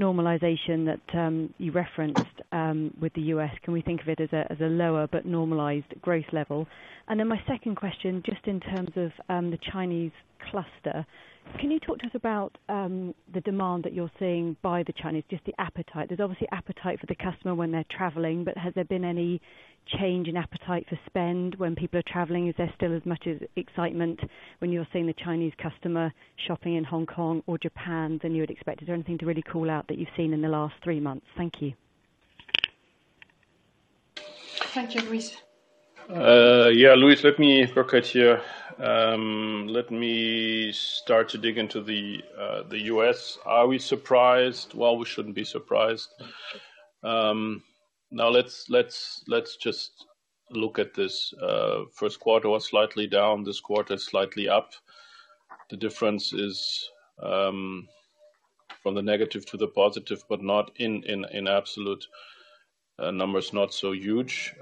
normalization that you referenced with the U.S.? Can we think of it as a lower but normalized growth level? And then my second question, just in terms of the Chinese cluster. Can you talk to us about the demand that you're seeing by the Chinese, just the appetite? There's obviously appetite for the customer when they're traveling, but has there been any change in appetite for spend when people are traveling? Is there still as much as excitement when you're seeing the Chinese customer shopping in Hong Kong or Japan than you had expected? Or anything to really call out that you've seen in the last three months? Thank you. Thank you, Louise. Yeah, Louise, let me look at here. Let me start to dig into the U.S. Are we surprised? Well, we shouldn't be surprised. Now let's just look at this. First quarter was slightly down, this quarter is slightly up. The difference is from the negative to the positive, but not in absolute numbers, not so huge.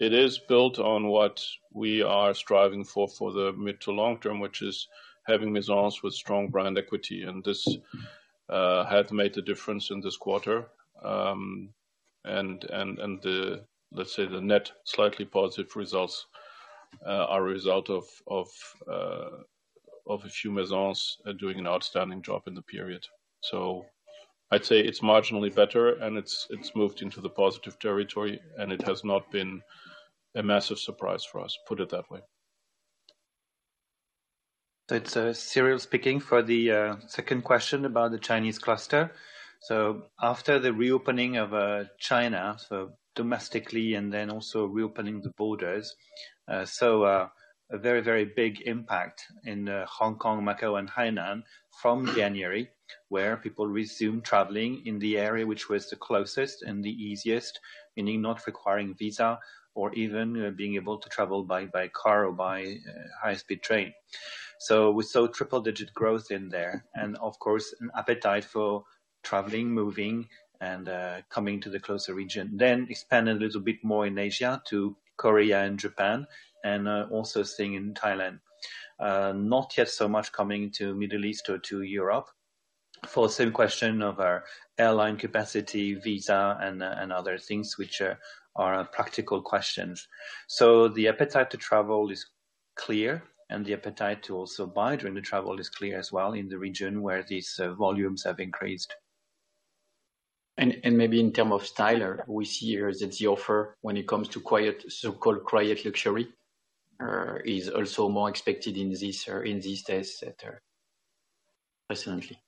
It is built on what we are striving for, for the mid to long term, which is having maisons with strong brand equity, and this had made a difference in this quarter. And the... Let's say the net, slightly positive results are a result of a few maisons doing an outstanding job in the period. So I'd say it's marginally better, and it's moved into the positive territory, and it has not been a massive surprise for us, put it that way. It's Cyrille speaking for the second question about the Chinese cluster. So after the reopening of China, so domestically and then also reopening the borders, so a very, very big impact in Hong Kong, Macau, and Hainan from January, where people resumed traveling in the area, which was the closest and the easiest, meaning not requiring visa or even being able to travel by car or by high-speed train. So we saw triple digit growth in there, and of course, an appetite for traveling, moving, and coming to the closer region, then expand a little bit more in Asia to Korea and Japan, and also seeing in Thailand. Not yet so much coming to Middle East or to Europe.... for same question of our airline capacity, visa, and, and other things which are practical questions. So the appetite to travel is clear, and the appetite to also buy during the travel is clear as well in the region where these volumes have increased. Maybe in terms of style, we see here that the offer, when it comes to quiet, so-called quiet luxury, is also more expected in these days, et al. Personally.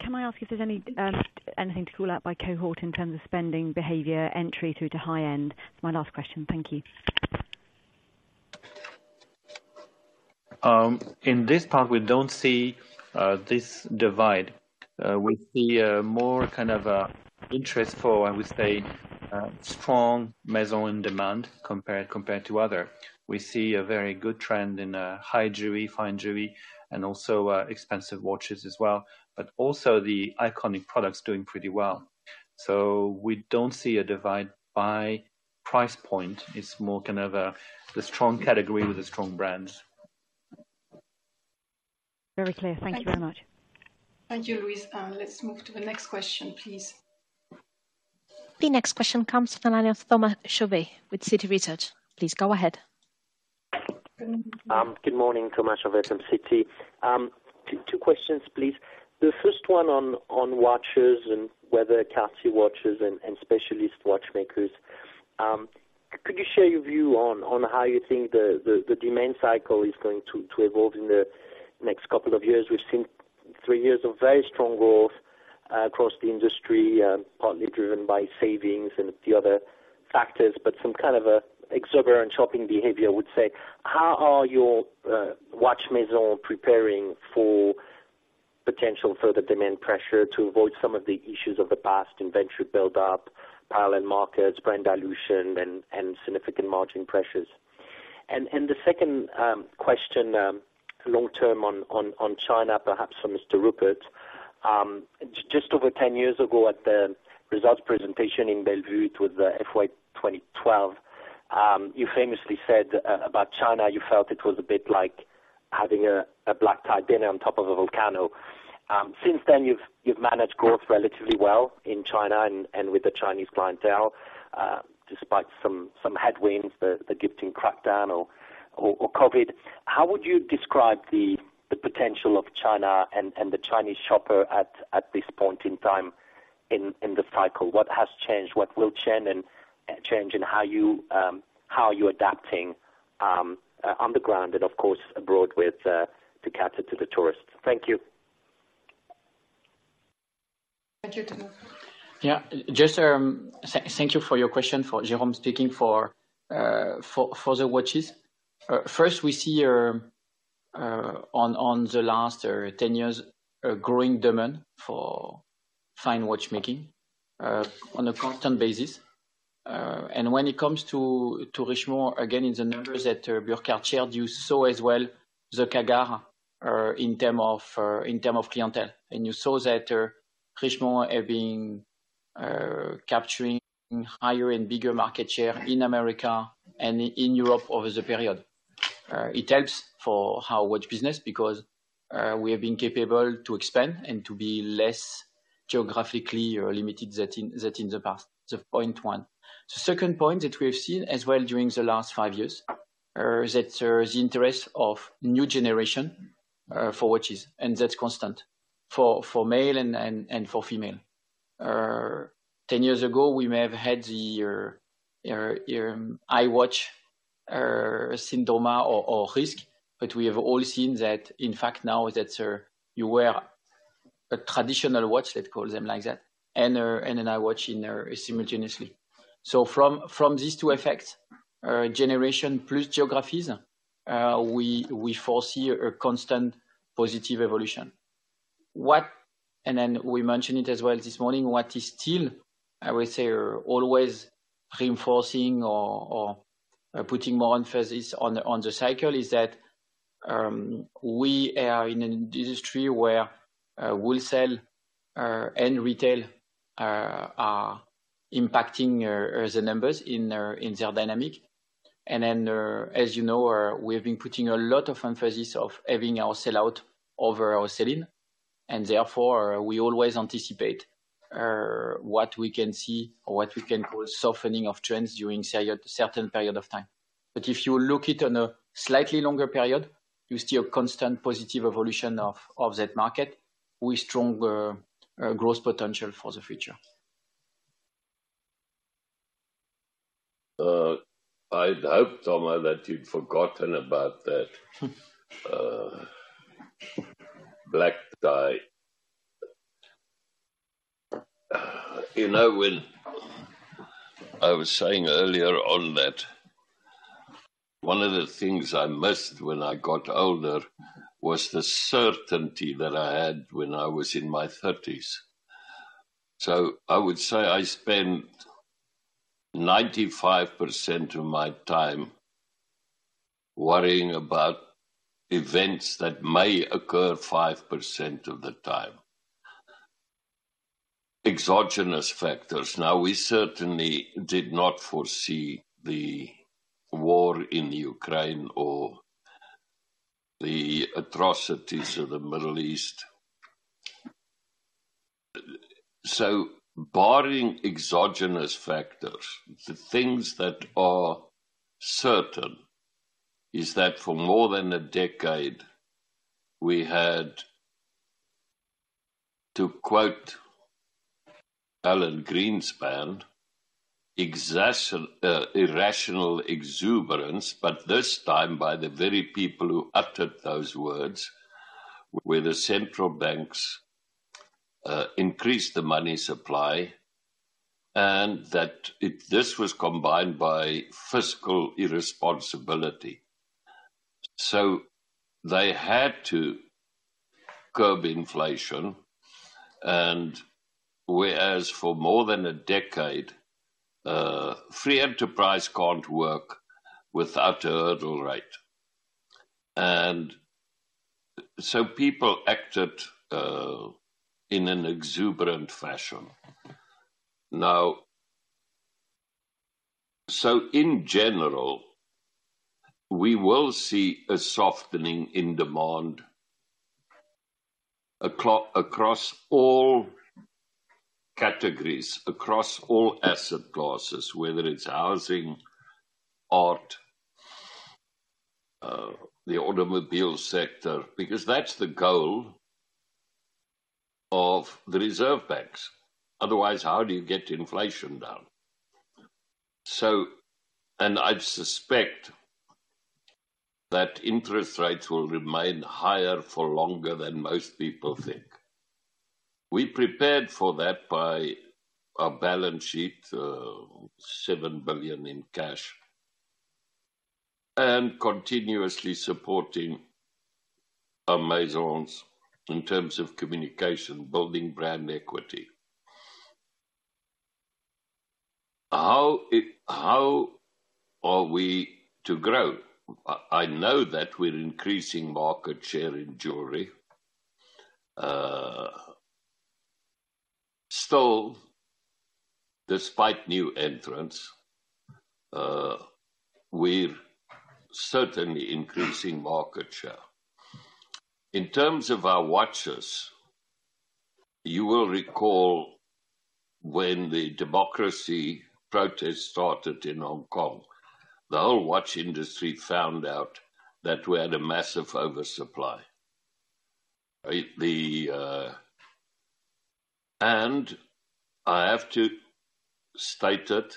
Can I ask if there's anything to call out by cohort in terms of spending behavior, entry through to high end? It's my last question. Thank you. In this part, we don't see this divide. We see more kind of interest for, I would say, strong maison in demand compared to other. We see a very good trend in high jewelry, fine jewelry, and also expensive watches as well, but also the iconic products doing pretty well. So we don't see a divide by price point. It's more kind of the strong category with the strong brands. Very clear. Thank you very much. Thank you, Louise. Let's move to the next question, please. The next question comes from analyst Thomas Chauvet with Citi Research. Please go ahead. Good morning, Thomas Chauvet from Citi. 2 questions, please. The first one on watches and Maison watches and specialist watchmakers. Could you share your view on how you think the demand cycle is going to evolve in the next couple of years? We've seen 3 years of very strong growth across the industry, partly driven by savings and a few other factors, but some kind of an exuberant shopping behavior, I would say. How are your watch Maison preparing for potential further demand pressure to avoid some of the issues of the past inventory build-up, parallel markets, brand dilution, and significant margin pressures? And the second question, long-term on China, perhaps for Mr. Rupert. Just over ten years ago at the results presentation in Bellevue, it was FY 2012, you famously said about China, you felt it was a bit like having a black tie dinner on top of a volcano. Since then, you've managed growth relatively well in China and with the Chinese clientele despite some headwinds, the gifting crackdown or COVID. How would you describe the potential of China and the Chinese shopper at this point in time in the cycle? What has changed, what will change, and change in how you how are you adapting on the ground and, of course, abroad with to cater to the tourists? Thank you. Thank you, Thomas. Yeah. Just, thank you for your question, for Jérôme speaking for the watches. First, we see, on the last 10 years, a growing demand for fine watchmaking, on a constant basis. And when it comes to Richemont, again, in the numbers that Burkhart shared, you saw as well the CAGR in terms of clientele. And you saw that Richemont have been capturing higher and bigger market share in America and in Europe over the period. It helps for our watch business because we have been capable to expand and to be less geographically or limited than in the past. Point one. The second point that we have seen as well during the last 5 years, that the interest of new generation for watches, and that's constant for male and for female. Ten years ago, we may have had your iWatch syndrome or risk, but we have all seen that, in fact, now that you wear a traditional watch, let's call them like that, and an iWatch simultaneously. So from these two effects, generation plus geographies, we foresee a constant positive evolution. What... We mention it as well this morning, what is still, I would say, always reinforcing or putting more emphasis on the cycle is that we are in an industry where wholesale and retail are impacting the numbers in their dynamic. As you know, we have been putting a lot of emphasis on having our sell-out over our sell-in, and therefore, we always anticipate what we can see or what we can call a softening of trends during certain period of time. But if you look at it on a slightly longer period, you see a constant positive evolution of that market with stronger growth potential for the future. I'd hoped, Thomas, that you'd forgotten about that black tie. You know, when I was saying earlier on that one of the things I missed when I got older was the certainty that I had when I was in my thirties. So I would say I spent 95% of my time worrying about events that may occur 5% of the time.... exogenous factors. Now, we certainly did not foresee the war in Ukraine or the atrocities of the Middle East. So barring exogenous factors, the things that are certain is that for more than a decade, we had, to quote Alan Greenspan, irrational exuberance, but this time, by the very people who uttered those words, where the central banks increased the money supply, and that it—this was combined by fiscal irresponsibility. So they had to curb inflation, and whereas for more than a decade, free enterprise can't work without a hurdle rate. And so people acted in an exuberant fashion. Now, so in general, we will see a softening in demand across all categories, across all asset classes, whether it's housing, art, the automobile sector, because that's the goal of the reserve banks. Otherwise, how do you get inflation down? So, and I suspect that interest rates will remain higher for longer than most people think. We prepared for that by our balance sheet, 7 billion in cash, and continuously supporting our Maisons in terms of communication, building brand equity. How are we to grow? I know that we're increasing market share in jewelry. Still, despite new entrants, we're certainly increasing market share. In terms of our watches, you will recall when the democracy protests started in Hong Kong, the whole watch industry found out that we had a massive oversupply. And I have to state that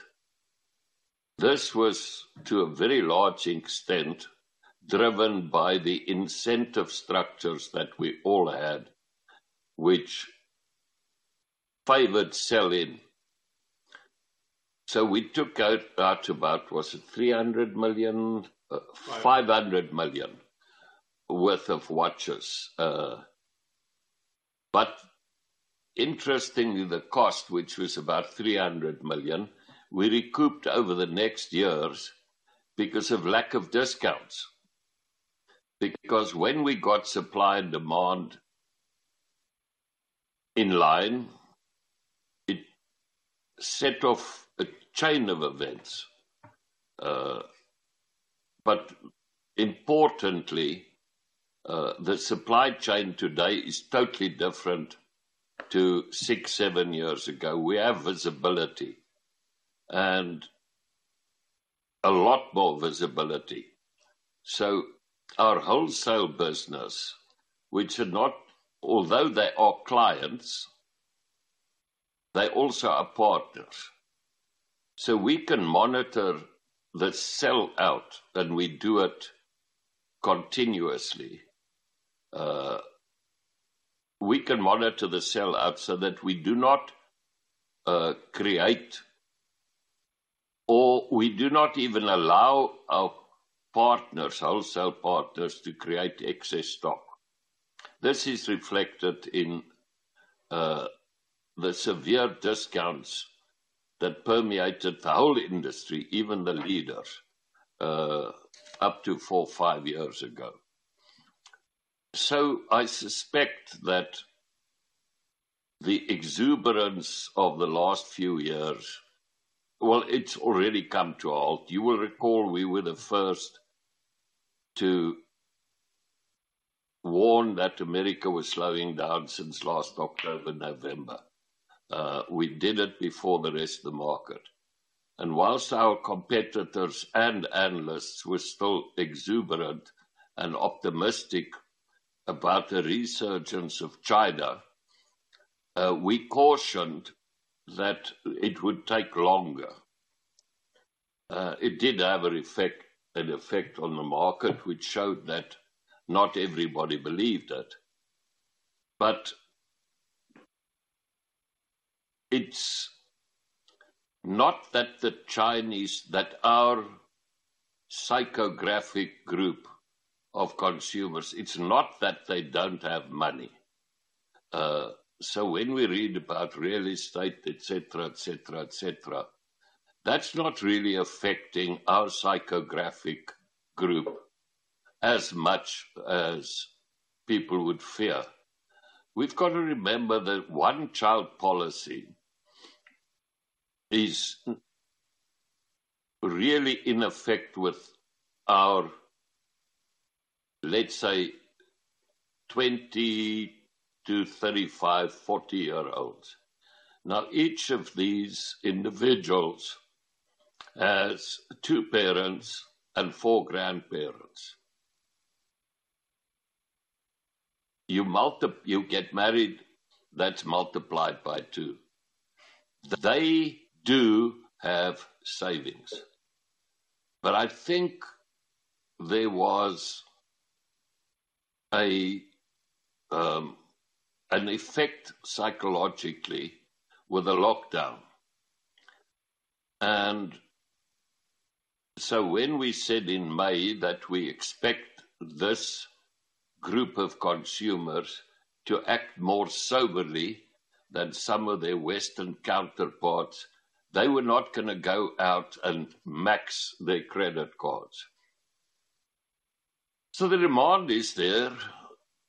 this was, to a very large extent, driven by the incentive structures that we all had, which favored sell-in. So we took out about, was it 300 million? Five. 500 million worth of watches. But interestingly, the cost, which was about 300 million, we recouped over the next years because of lack of discounts. Because when we got supply and demand in line, it set off a chain of events. But importantly, the supply chain today is totally different to 6-7 years ago. We have visibility and a lot more visibility. So our wholesale business, which are not... Although they are clients, they also are partners. So we can monitor the sell-out, and we do it continuously. We can monitor the sell-out so that we do not create or we do not even allow our partners, wholesale partners, to create excess stock. This is reflected in the severe discounts that permeated the whole industry, even the leaders, up to 4-5 years ago. I suspect that the exuberance of the last few years, well, it's already come to a halt. You will recall we were the first to warn that America was slowing down since last October, November. We did it before the rest of the market. While our competitors and analysts were still exuberant and optimistic about the resurgence of China, we cautioned that it would take longer. It did have an effect, an effect on the market, which showed that not everybody believed it. But it's not that the Chinese, that our psychographic group of consumers, it's not that they don't have money. When we read about real estate, et cetera, et cetera, et cetera, that's not really affecting our psychographic group... as much as people would fear. We've got to remember that one child policy is really in effect with our, let's say, 20- to 35-, 40-year-olds. Now, each of these individuals has two parents and four grandparents. You get married, that's multiplied by two. They do have savings, but I think there was a, an effect psychologically with the lockdown. And so when we said in May that we expect this group of consumers to act more soberly than some of their Western counterparts, they were not gonna go out and max their credit cards. So the demand is there,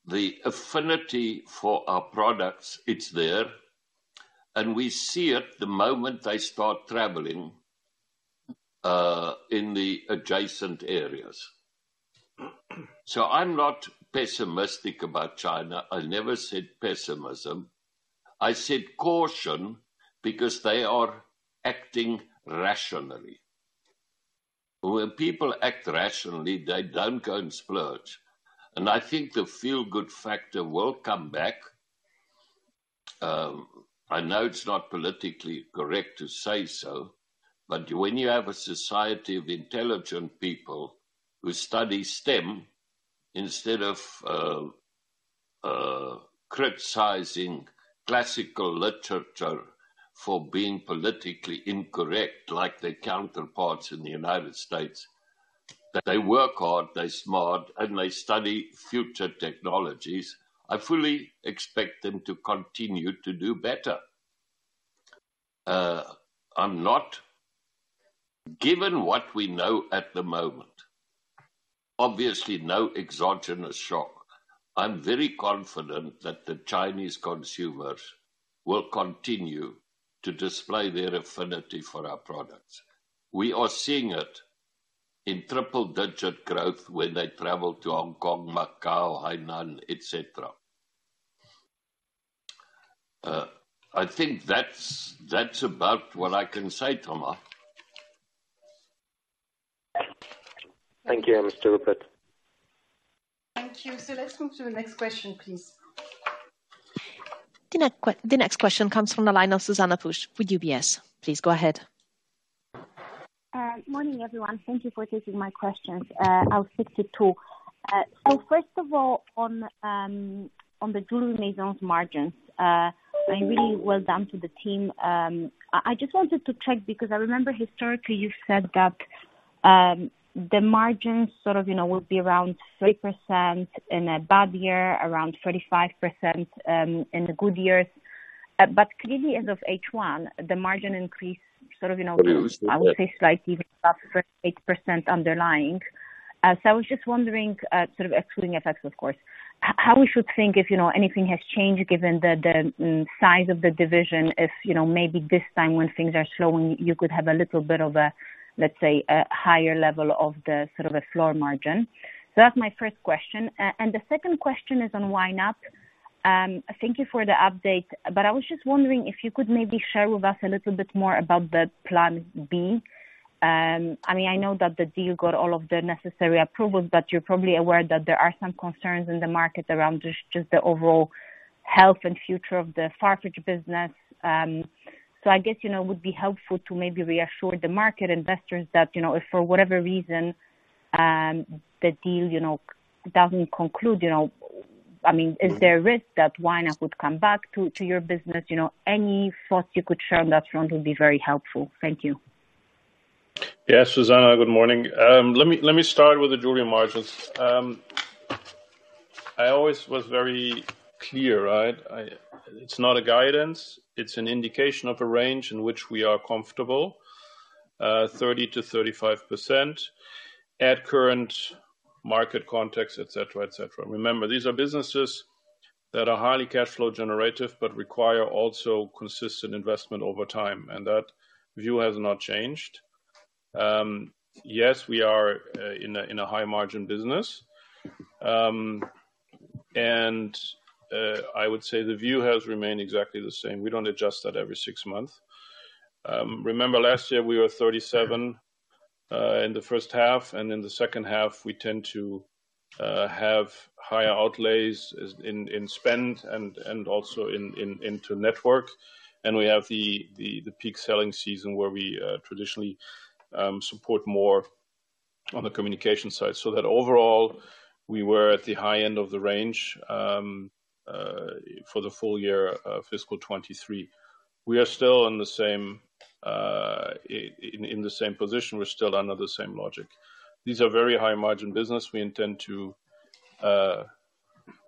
the affinity for our products, it's there, and we see it the moment they start traveling in the adjacent areas. So I'm not pessimistic about China. I never said pessimism. I said caution because they are acting rationally. When people act rationally, they don't go and splurge. I think the feel-good factor will come back. I know it's not politically correct to say so, but when you have a society of intelligent people who study STEM instead of criticizing classical literature for being politically incorrect, like their counterparts in the United States, they work hard, they're smart, and they study future technologies. I fully expect them to continue to do better. Given what we know at the moment, obviously, no exogenous shock. I'm very confident that the Chinese consumers will continue to display their affinity for our products. We are seeing it in triple-digit growth when they travel to Hong Kong, Macau, Hainan, et cetera. I think that's, that's about what I can say, Thomas. Thank you, Mr. Rupert. Thank you. Let's move to the next question, please. The next question comes from the line of Zuzanna Pusz with UBS. Please go ahead. Morning, everyone. Thank you for taking my questions. I'll stick to two. So first of all, on the jewelry and maisons margins, I mean, really well done to the team. I just wanted to check because I remember historically you said that the margins sort of, you know, will be around 3% in a bad year, around 35% in the good years. But clearly, end of H1, the margin increased, sort of, you know, I would say, slightly about 8% underlying. So I was just wondering, sort of excluding effects, of course, how we should think if, you know, anything has changed given the size of the division, if, you know, maybe this time when things are slowing, you could have a little bit of a, let's say, a higher level of the sort of a floor margin. So that's my first question. And the second question is on YNAP. Thank you for the update, but I was just wondering if you could maybe share with us a little bit more about the plan B. I mean, I know that the deal got all of the necessary approvals, but you're probably aware that there are some concerns in the market around just the overall health and future of the Farfetch business. So, I guess, you know, it would be helpful to maybe reassure the market investors that, you know, if for whatever reason, the deal, you know, doesn't conclude, you know, I mean, is there a risk that YNAP would come back to your business? You know, any thoughts you could share on that front would be very helpful. Thank you. Yeah, Zuzanna, good morning. Let me start with the jewelry margins. I always was very clear, right? It's not a guidance, it's an indication of a range in which we are comfortable, 30%-35% at current market context, et cetera, et cetera. Remember, these are businesses that are highly cash flow generative, but require also consistent investment over time, and that view has not changed. Yes, we are in a high margin business. And I would say the view has remained exactly the same. We don't adjust that every six months. Remember, last year we were 37% in the first half, and in the second half we tend to have higher outlays as in spend and also into network. And we have the peak selling season, where we traditionally support more on the communication side. So that overall, we were at the high end of the range for the full year fiscal 2023. We are still in the same position. We're still under the same logic. These are very high margin business. We intend to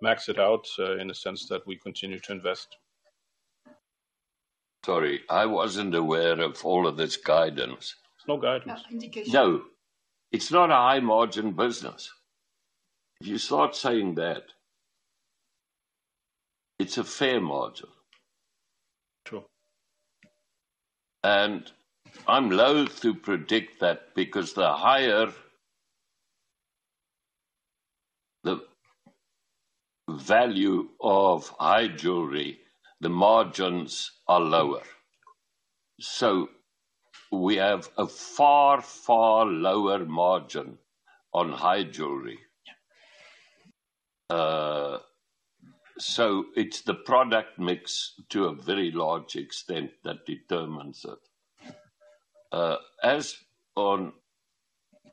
max it out in a sense that we continue to invest... Sorry, I wasn't aware of all of this guidance. It's not guidance. Indication. No, it's not a high-margin business. If you start saying that, it's a fair margin. Sure. I'm loath to predict that because the higher the value of high jewelry, the margins are lower. We have a far, far lower margin on high jewelry. Yeah. So it's the product mix to a very large extent that determines it. As for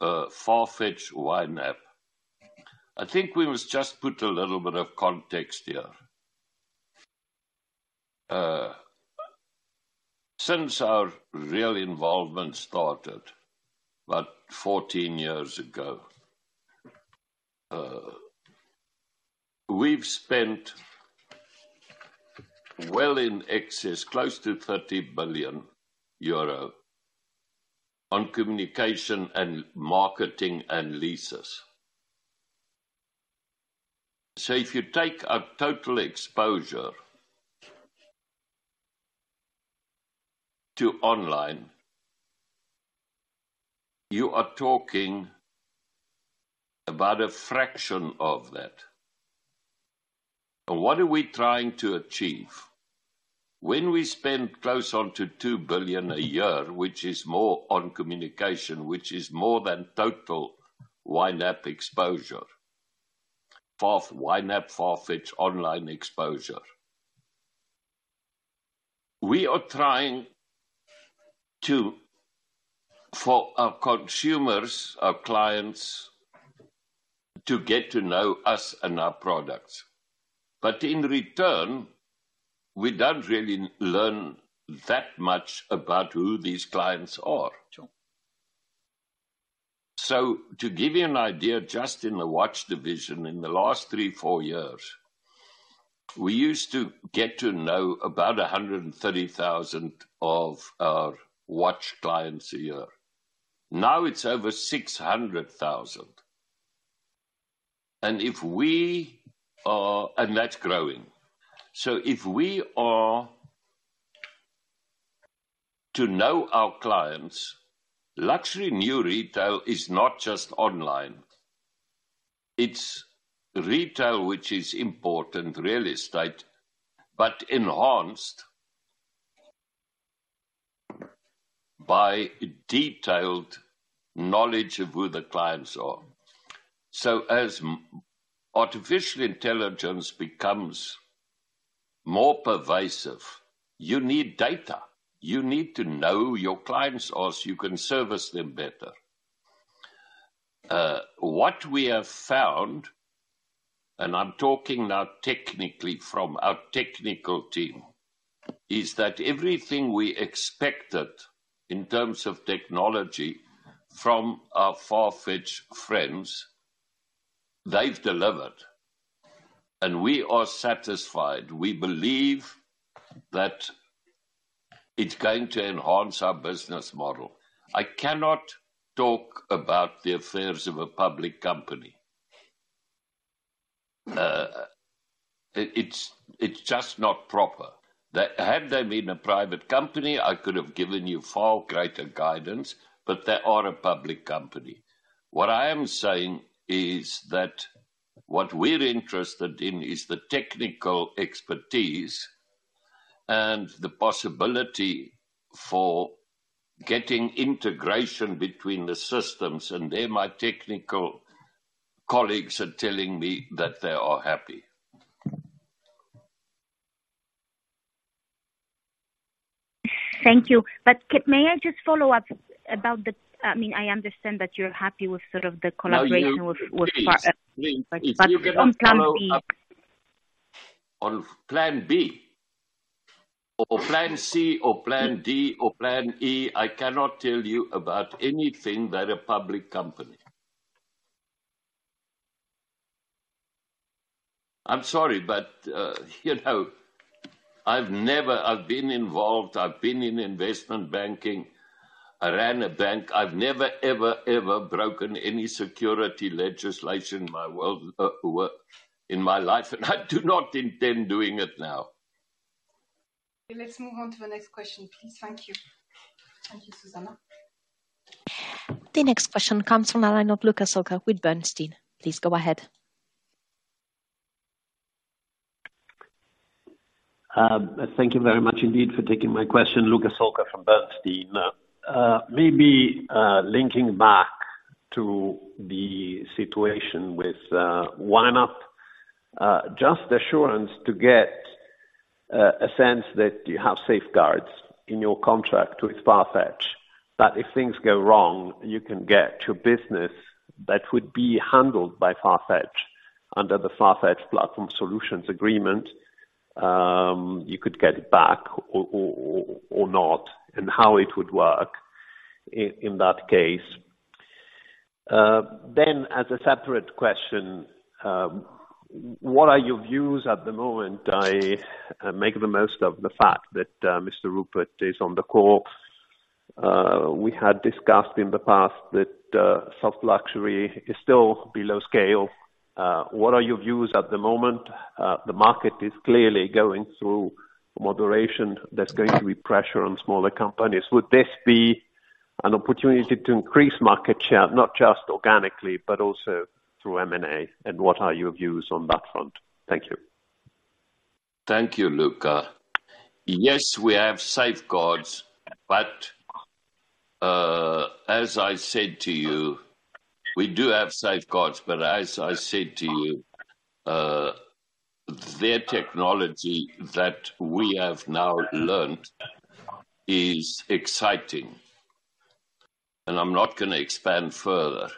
Farfetch YNAP, I think we must just put a little bit of context here. Since our real involvement started, about 14 years ago, we've spent well in excess, close to 30 billion euro on communication and marketing and leases. So if you take our total exposure to online, you are talking about a fraction of that. And what are we trying to achieve? When we spend close to 2 billion a year, which is more on communication, which is more than total YNAP exposure. Farfetch YNAP online exposure. We are trying to, for our consumers, our clients, to get to know us and our products. But in return, we don't really learn that much about who these clients are. Sure. So to give you an idea, just in the watch division, in the last 3-4 years, we used to get to know about 130,000 of our watch clients a year. Now it's over 600,000. And that's growing. So if we are to know our clients, Luxury New Retail is not just online, it's retail, which is important real estate, but enhanced by detailed knowledge of who the clients are. So as artificial intelligence becomes more pervasive, you need data, you need to know your clients or so you can service them better. What we have found, and I'm talking now technically from our technical team, is that everything we expected in terms of technology from our Farfetch friends, they've delivered, and we are satisfied. We believe that it's going to enhance our business model. I cannot talk about the affairs of a public company. It's just not proper. Had they been a private company, I could have given you far greater guidance, but they are a public company. What I am saying is that what we're interested in is the technical expertise and the possibility for getting integration between the systems, and there my technical colleagues are telling me that they are happy. Thank you. But may I just follow up about the—I mean, I understand that you're happy with sort of the collaboration with, with- Please, if you're gonna follow up- On plan B. On plan B or plan C or plan D or plan E, I cannot tell you about anything that a public company. I'm sorry, but, you know, I've never. I've been involved, I've been in investment banking. I ran a bank. I've never, ever, ever broken any security legislation in my world, work in my life, and I do not intend doing it now. Let's move on to the next question, please. Thank you. Thank you, Zuzanna. The next question comes from the line of Luca Solca with Bernstein. Please go ahead. Thank you very much indeed for taking my question. Luca Solca from Bernstein. Maybe linking back to the situation with YNAP, just assurance to get a sense that you have safeguards in your contract with Farfetch, that if things go wrong, you can get your business that would be handled by Farfetch under the Farfetch Platform Solutions agreement, you could get it back or, or, or not, and how it would work in that case? Then as a separate question, what are your views at the moment? I make the most of the fact that Mr. Rupert is on the call. We had discussed in the past that soft luxury is still below scale. What are your views at the moment? The market is clearly going through moderation. There's going to be pressure on smaller companies. Would this be an opportunity to increase market share, not just organically, but also through M&A, and what are your views on that front? Thank you. Thank you, Luca. Yes, we have safeguards, but, as I said to you, we do have safeguards, but as I said to you, their technology that we have now learned is exciting, and I'm not gonna expand further.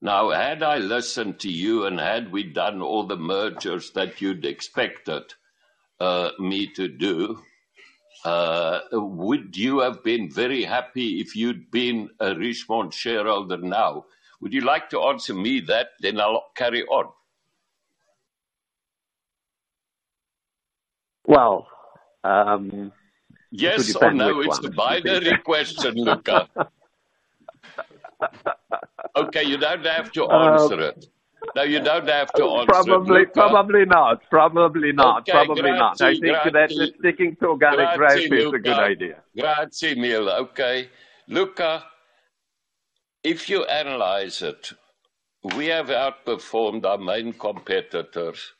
Now, had I listened to you and had we done all the mergers that you'd expected, me to do, would you have been very happy if you'd been a Richemont shareholder now? Would you like to answer me that, then I'll carry on. Well, um- Yes or no. It's a binary question, Luca. Okay, you don't have to answer it. Um. No, you don't have to answer it. Probably, probably not. Probably not. Okay. Probably not. Grazie. I think that sticking to organic growth is a good idea. Grazie, Luca. Okay. Luca, if you analyze it, we have outperformed our main competitors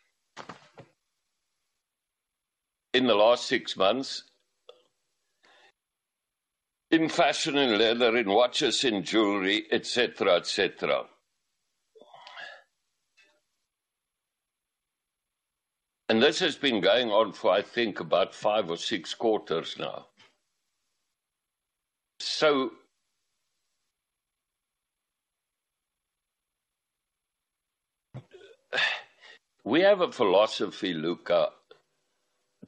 in the last six months. In fashion and leather, in watches and jewelry, et cetera, et cetera. This has been going on for, I think, about five or six quarters now. So we have a philosophy, Luca,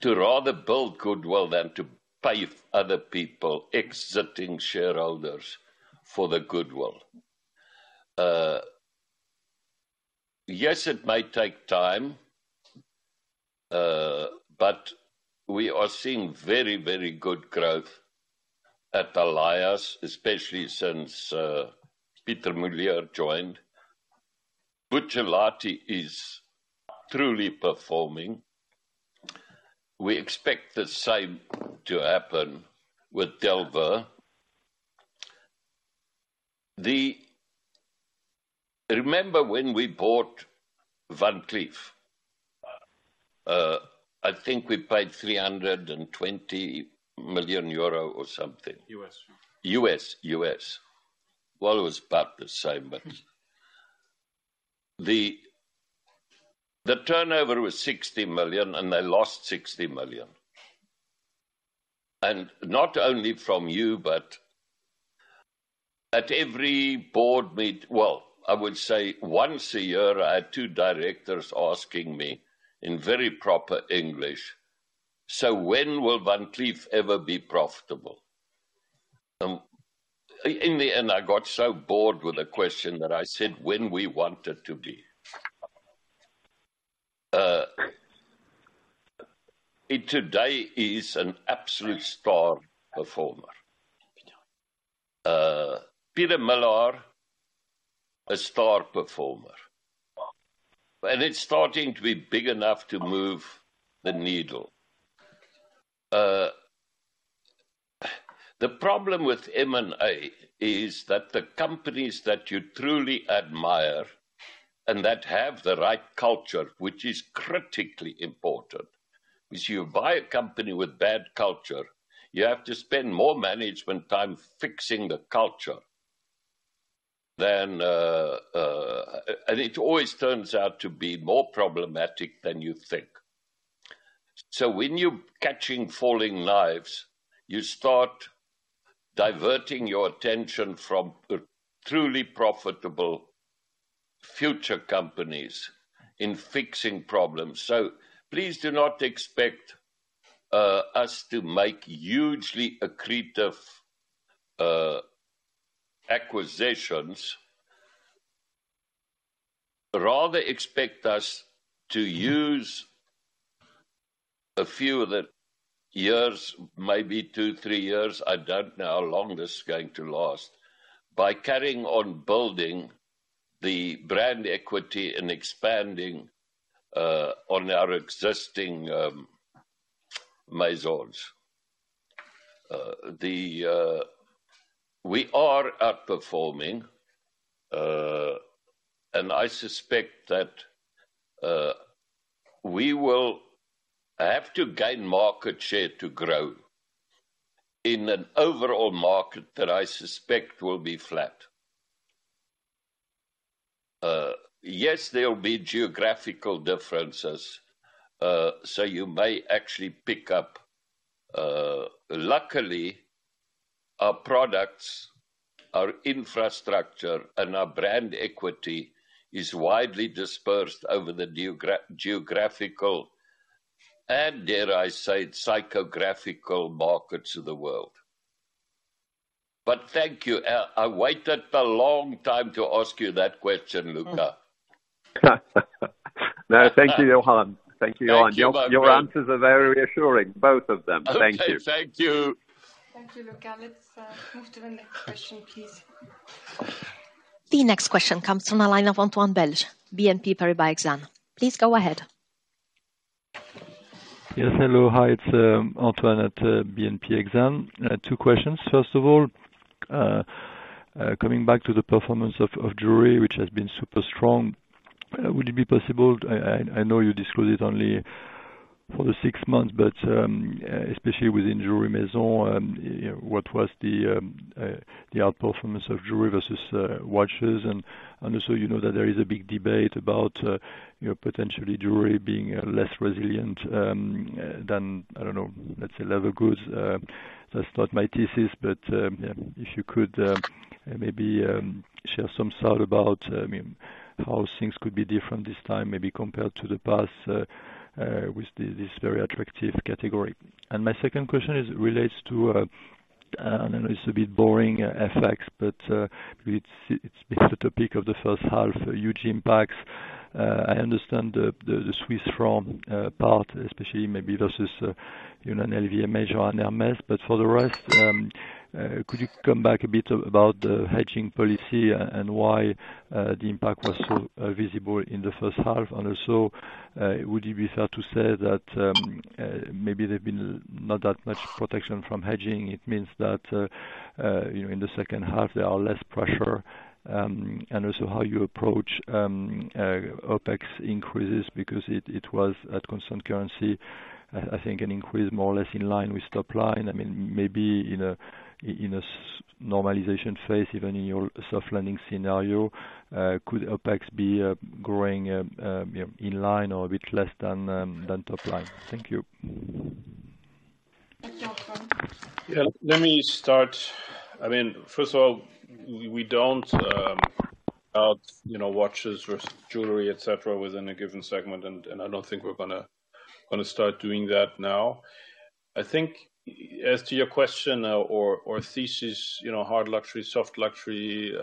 to rather build goodwill than to pay other people, exiting shareholders, for the goodwill. Yes, it may take time, but we are seeing very, very good growth at Alaïa, especially since Pieter Mulier joined. Buccellati is truly performing. We expect the same to happen with Delvaux. Remember when we bought Van Cleef? I think we paid 320 million euro or something. US. Well, it was about the same, but the turnover was 60 million, and they lost 60 million. And not only from you, but at every board meet... Well, I would say once a year, I had two directors asking me in very proper English, "So when will Van Cleef ever be profitable?" In the end, I got so bored with the question that I said, "When we want it to be." It today is an absolute star performer. Peter Millar, a star performer, and it's starting to be big enough to move the needle. The problem with M&A is that the companies that you truly admire and that have the right culture, which is critically important. If you buy a company with bad culture, you have to spend more management time fixing the culture than... It always turns out to be more problematic than you think. So when you're catching falling knives, you start diverting your attention from the truly profitable future companies in fixing problems. So please do not expect us to make hugely accretive acquisitions. Rather, expect us to use a few of the years, maybe two, three years, I don't know how long this is going to last, by carrying on building the brand equity and expanding on our existing Maisons. We are outperforming, and I suspect that we will have to gain market share to grow in an overall market that I suspect will be flat. Yes, there will be geographical differences, so you may actually pick up. Luckily, our products, our infrastructure, and our brand equity is widely dispersed over the geographical... and dare I say, psychographic markets of the world. But thank you. I waited a long time to ask you that question, Luca. No, thank you, Johann. Thank you, Johann. Thank you. Your answers are very reassuring, both of them. Thank you. Okay, thank you. Thank you, Luca. Let's move to the next question, please. The next question comes from the line of Antoine Belge, BNP Paribas Exane. Please go ahead. Yes, hello. Hi, it's Antoine at BNP Paribas Exane. I have two questions. First of all, coming back to the performance of jewelry, which has been super strong, would it be possible? I know you disclosed it only for the six months, but especially within jewelry Maison, what was the outperformance of jewelry versus watches? And also, you know that there is a big debate about, you know, potentially jewelry being less resilient than, I don't know, let's say, leather goods. That's not my thesis, but if you could maybe share some thought about, I mean, how things could be different this time, maybe compared to the past, with this very attractive category. My second question relates to, I don't know, it's a bit boring FX, but it's the topic of the first half, huge impacts. I understand the Swiss franc part, especially maybe versus, you know, LVMH or Hermès. But for the rest, could you come back a bit about the hedging policy and why the impact was so visible in the first half? And also, would it be fair to say that maybe there's been not that much protection from hedging? It means that, you know, in the second half, there are less pressure. And also how you approach OpEx increases because it was at constant currency. I think an increase more or less in line with top line. I mean, maybe in a normalization phase, even in your soft landing scenario, could OpEx be growing, you know, in line or a bit less than top line? Thank you. Thank you, Antoine. Yeah, let me start. I mean, first of all, we don't, you know, watches versus jewelry, et cetera, within a given segment, and I don't think we're gonna start doing that now. I think as to your question now or thesis, you know, hard luxury, soft luxury,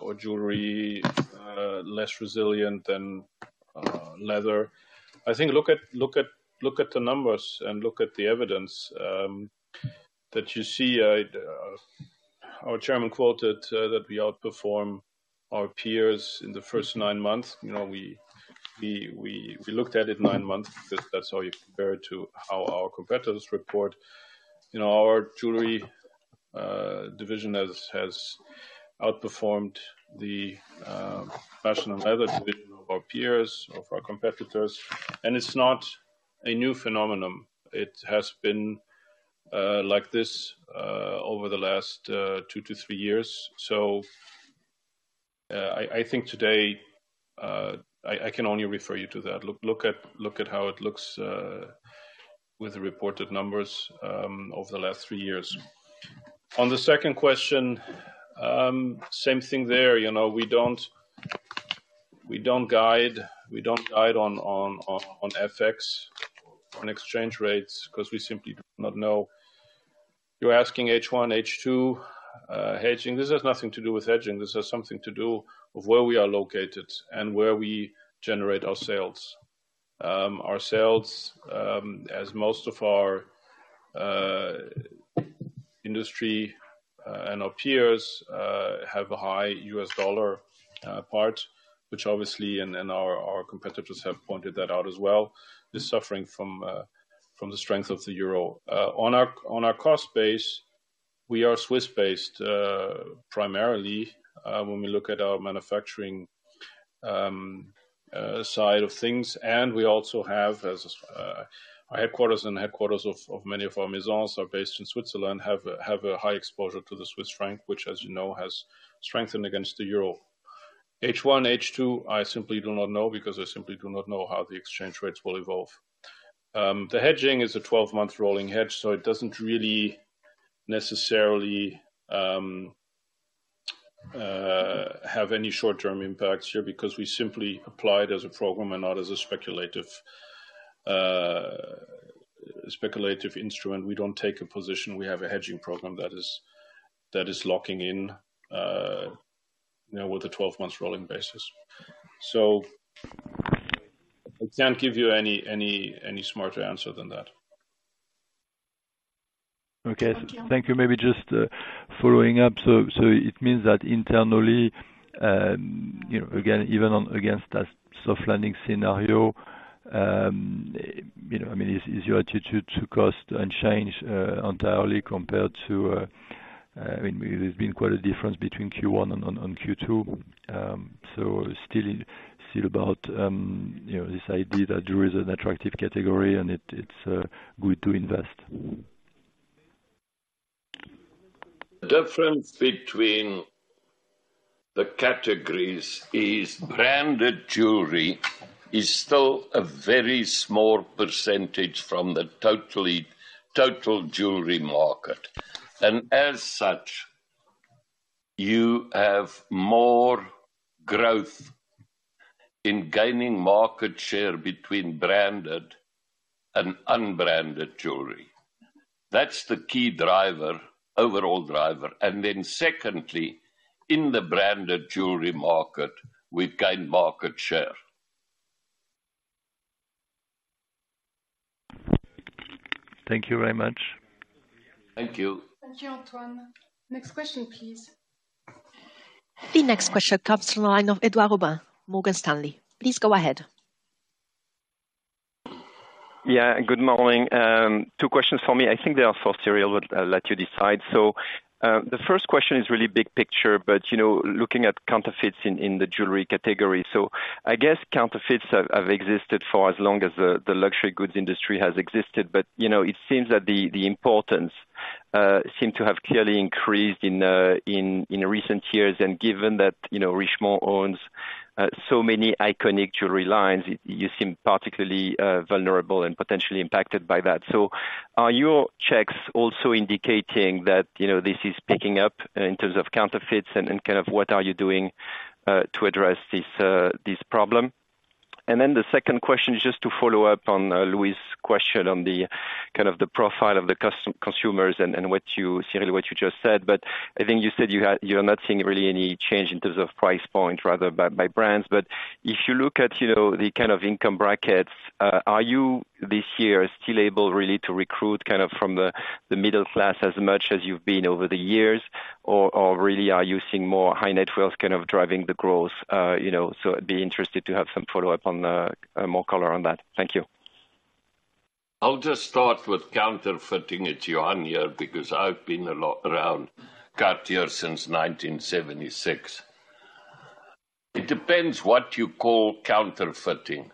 or jewelry less resilient than leather. I think look at, look at, look at the numbers and look at the evidence that you see. I, our chairman quoted that we outperform our peers in the first nine months. You know, we looked at it nine months because that's how you compare it to how our competitors report. You know, our jewelry division has outperformed the fashion and leather division of our peers, of our competitors, and it's not a new phenomenon. It has been like this over the last two to three years. So, I think today, I can only refer you to that. Look at how it looks with the reported numbers over the last three years. On the second question, same thing there. You know, we don't guide, we don't guide on FX, on exchange rates, because we simply do not know. You're asking H1, H2, hedging. This has nothing to do with hedging. This has something to do with where we are located and where we generate our sales. Our sales, as most of our industry and our peers, have a high US dollar part, which obviously, and our competitors have pointed that out as well, is suffering from the strength of the euro. On our cost base, we are Swiss-based primarily, when we look at our manufacturing side of things, and we also have, as our headquarters and headquarters of many of our Maisons are based in Switzerland, have a high exposure to the Swiss franc, which, as you know, has strengthened against the euro. H1, H2, I simply do not know because I simply do not know how the exchange rates will evolve. The hedging is a 12-month rolling hedge, so it doesn't really necessarily have any short-term impacts here because we simply apply it as a program and not as a speculative instrument. We don't take a position. We have a hedging program that is locking in, you know, with a 12-month rolling basis. So I can't give you any smarter answer than that. Okay. Thank you. Thank you. Maybe just following up. So it means that internally, you know, again, even against that soft landing scenario, you know, I mean, is your attitude to cost and change entirely compared to, I mean, there's been quite a difference between Q1 and Q2. So still about, you know, this idea that jewelry is an attractive category and it's good to invest. The difference between the categories is branded jewelry is still a very small percentage from the totally total jewelry market. As such, you have more growth in gaining market share between branded and unbranded jewelry. That's the key driver, overall driver. And then secondly, in the branded jewelry market, we've gained market share. Thank you very much. Thank you. Thank you, Antoine. Next question, please. The next question comes from the line of Edouard Aubin, Morgan Stanley. Please go ahead. Yeah, good morning. Two questions for me. I think they are for Cyrille, but I'll let you decide. So, the first question is really big picture, but, you know, looking at counterfeits in the jewelry category. So I guess counterfeits have existed for as long as the luxury goods industry has existed. But, you know, it seems that the importance seem to have clearly increased in recent years. And given that, you know, Richemont owns so many iconic jewelry lines, you seem particularly vulnerable and potentially impacted by that. So are your checks also indicating that, you know, this is picking up in terms of counterfeits and kind of what are you doing to address this problem? And then the second question is just to follow up on Louis' question on the kind of the profile of the consumers and what you, Cyrille, what you just said. But I think you said you're not seeing really any change in terms of price point, rather by brands. But if you look at, you know, the kind of income brackets, are you this year still able really to recruit kind of from the middle class as much as you've been over the years? Or really, are you seeing more high net worth kind of driving the growth? You know, so I'd be interested to have some follow-up on more color on that. Thank you. I'll just start with counterfeiting. It's Johann here, because I've been a lot around Cartier since 1976. It depends what you call counterfeiting.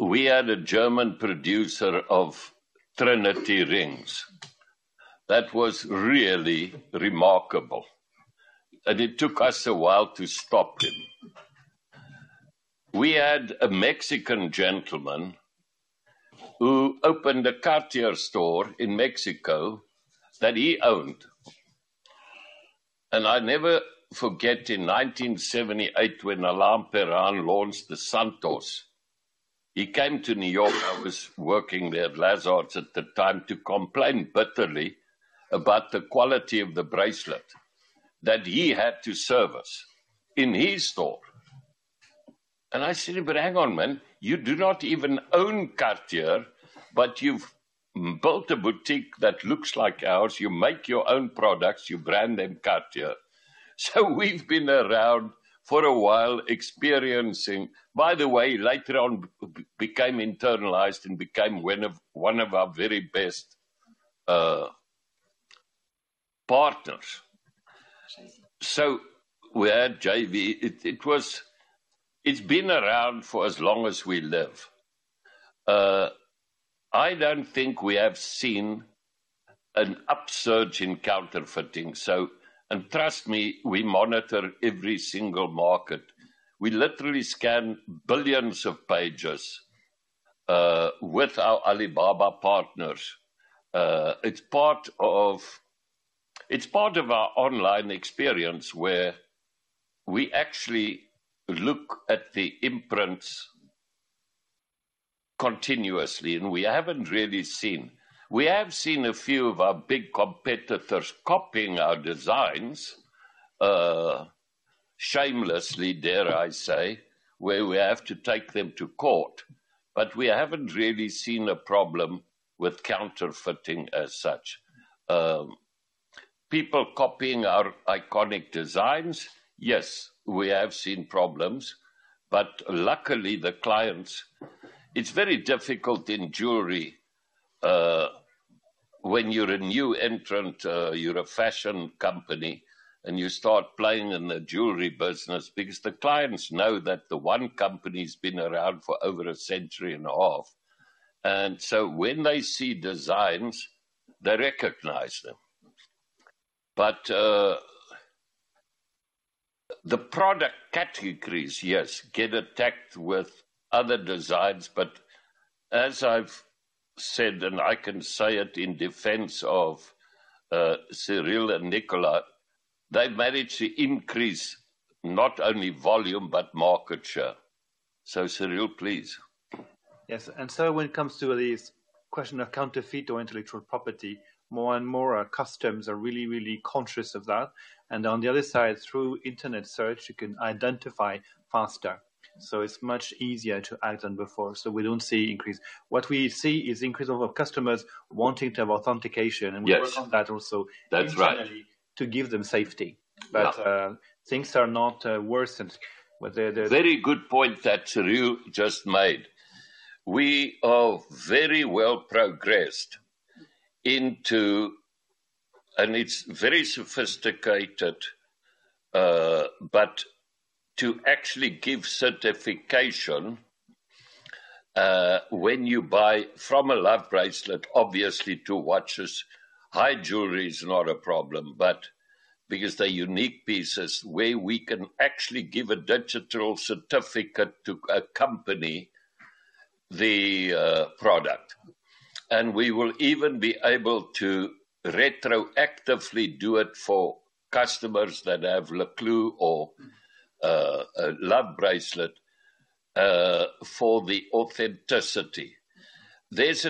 We had a German producer of Trinity rings that was really remarkable, and it took us a while to stop him. We had a Mexican gentleman who opened a Cartier store in Mexico that he owned. And I never forget, in 1978, when Alain Perrin launched the Santos, he came to New York. I was working there at Lazards at the time, to complain bitterly about the quality of the bracelet that he had to serve us in his store. And I said, "But hang on, man, you do not even own Cartier, but you've built a boutique that looks like ours. You make your own products, you brand them Cartier." So we've been around for a while experiencing... By the way, later on, became internalized and became one of our very best partners. So we had JV. It was. It's been around for as long as we live. I don't think we have seen an upsurge in counterfeiting, so. And trust me, we monitor every single market. We literally scan billions of pages with our Alibaba partners. It's part of our online experience, where we actually look at the imprints continuously, and we haven't really seen. We have seen a few of our big competitors copying our designs shamelessly, dare I say, where we have to take them to court, but we haven't really seen a problem with counterfeiting as such. People copying our iconic designs, yes, we have seen problems, but luckily the clients. It's very difficult in jewelry, when you're a new entrant, you're a fashion company, and you start playing in the jewelry business, because the clients know that the one company's been around for over a century and a half, and so when they see designs, they recognize them. But, the product categories, yes, get attacked with other designs, but as I've said, and I can say it in defense of, Cyrille and Nicolas, they managed to increase not only volume, but market share. So, Cyrille, please. Yes, and so when it comes to this question of counterfeit or intellectual property, more and more our customers are really, really conscious of that. And on the other side, through internet search, you can identify faster, so it's much easier to act than before, so we don't see increase. What we see is increase of our customers wanting to have authentication- Yes. and work on that also. That's right. internally to give them safety. Yeah. But, things are not worsened, but they're- Very good point that Cyrille just made. We are very well progressed into. And it's very sophisticated, but to actually give certification when you buy from a Love bracelet, obviously, to watches. High jewelry is not a problem, but because they're unique pieces, where we can actually give a digital certificate to a company the product. And we will even be able to retroactively do it for customers that have Le Clou or a Love Bracelet for the authenticity. It's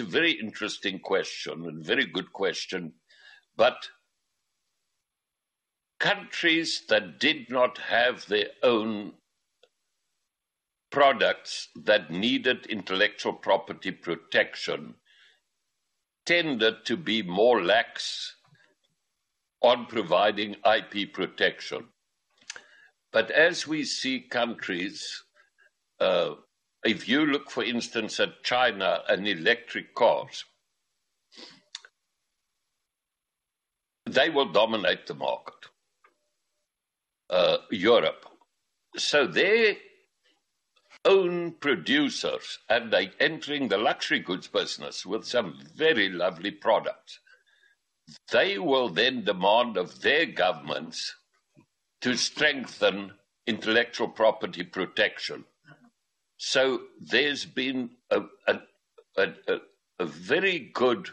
a very interesting question and very good question, but countries that did not have their own products that needed intellectual property protection tended to be more lax on providing IP protection. But as we see countries, if you look, for instance, at China and electric cars, they will dominate the market, Europe. So their own producers, and they're entering the luxury goods business with some very lovely products. They will then demand of their governments to strengthen intellectual property protection. So there's been a very good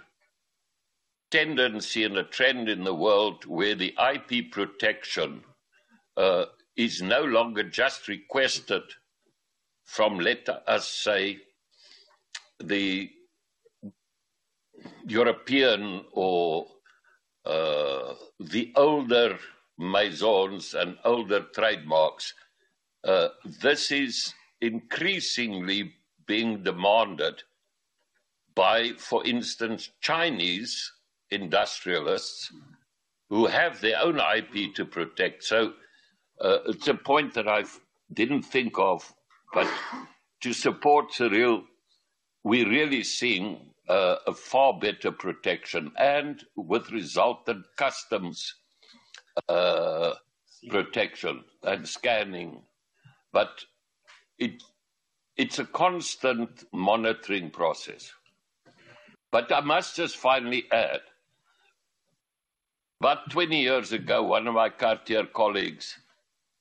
tendency and a trend in the world where the IP protection is no longer just requested from let us say, the European or, the older Maisons and older trademarks. This is increasingly being demanded by, for instance, Chinese industrialists who have their own IP to protect. So, it's a point that I've didn't think of, but to support Cyrille, we're really seeing a far better protection and with resultant customs protection and scanning. But it, it's a constant monitoring process. But I must just finally add, about 20 years ago, one of my Cartier colleagues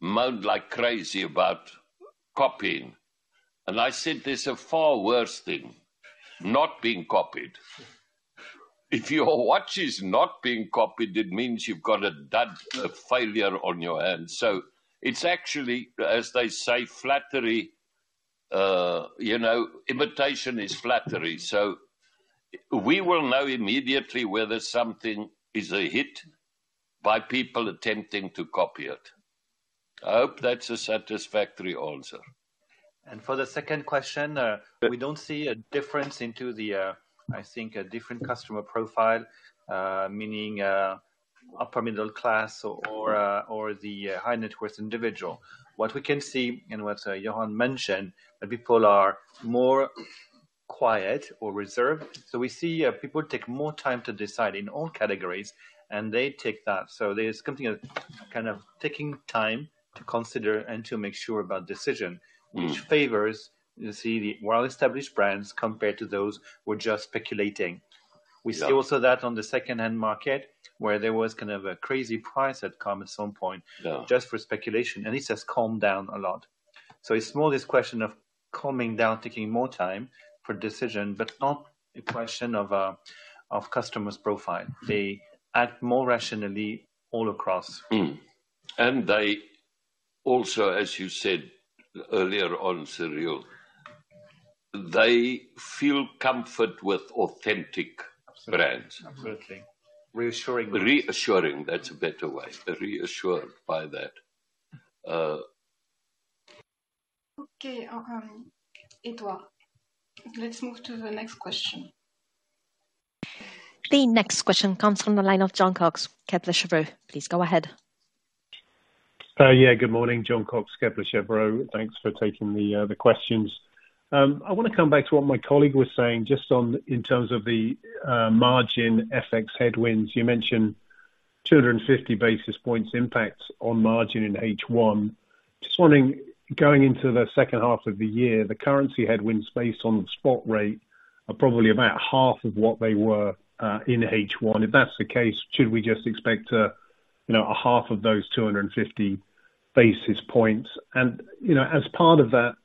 moaned like crazy about copying, and I said, "There's a far worse thing, not being copied." If your watch is not being copied, it means you've got a dud, a failure on your hands. So it's actually, as they say, flattery, you know, imitation is flattery. So we will know immediately whether something is a hit by people attempting to copy it. I hope that's a satisfactory answer. And for the second question, we don't see a difference into the, I think, a different customer profile, meaning, upper middle class or, or, or the, high-net-worth individual. What we can see, and what, Johann mentioned, that people are more quiet or reserved. So we see, people take more time to decide in all categories, and they take that. So there's something of kind of taking time to consider and to make sure about decision, which favors, you see, the well-established brands compared to those who are just speculating. Yeah. We see also that on the second-hand market, where there was kind of a crazy price that come at some point... Yeah... just for speculation, and it has calmed down a lot. So it's more this question of calming down, taking more time for decision, but not a question of customers' profile. They act more rationally all across. Mm. And they also, as you said earlier on, Cyrille, they feel comfort with authentic brands. Absolutely. Reassuring. Reassuring, that's a better way. They're reassured by that. Okay, Edouard, let's move to the next question. The next question comes from the line of Jon Cox, Kepler Cheuvreux. Please go ahead. Yeah, good morning, Jon Cox, Kepler Cheuvreux. Thanks for taking the questions. I want to come back to what my colleague was saying, just on, in terms of the, margin FX headwinds. You mentioned 250 basis points impacts on margin in H1. Just wondering, going into the second half of the year, the currency headwinds based on the spot rate, are probably about half of what they were, in H1. If that's the case, should we just expect a, you know, a half of those 250 basis points? And, you know, as part of that,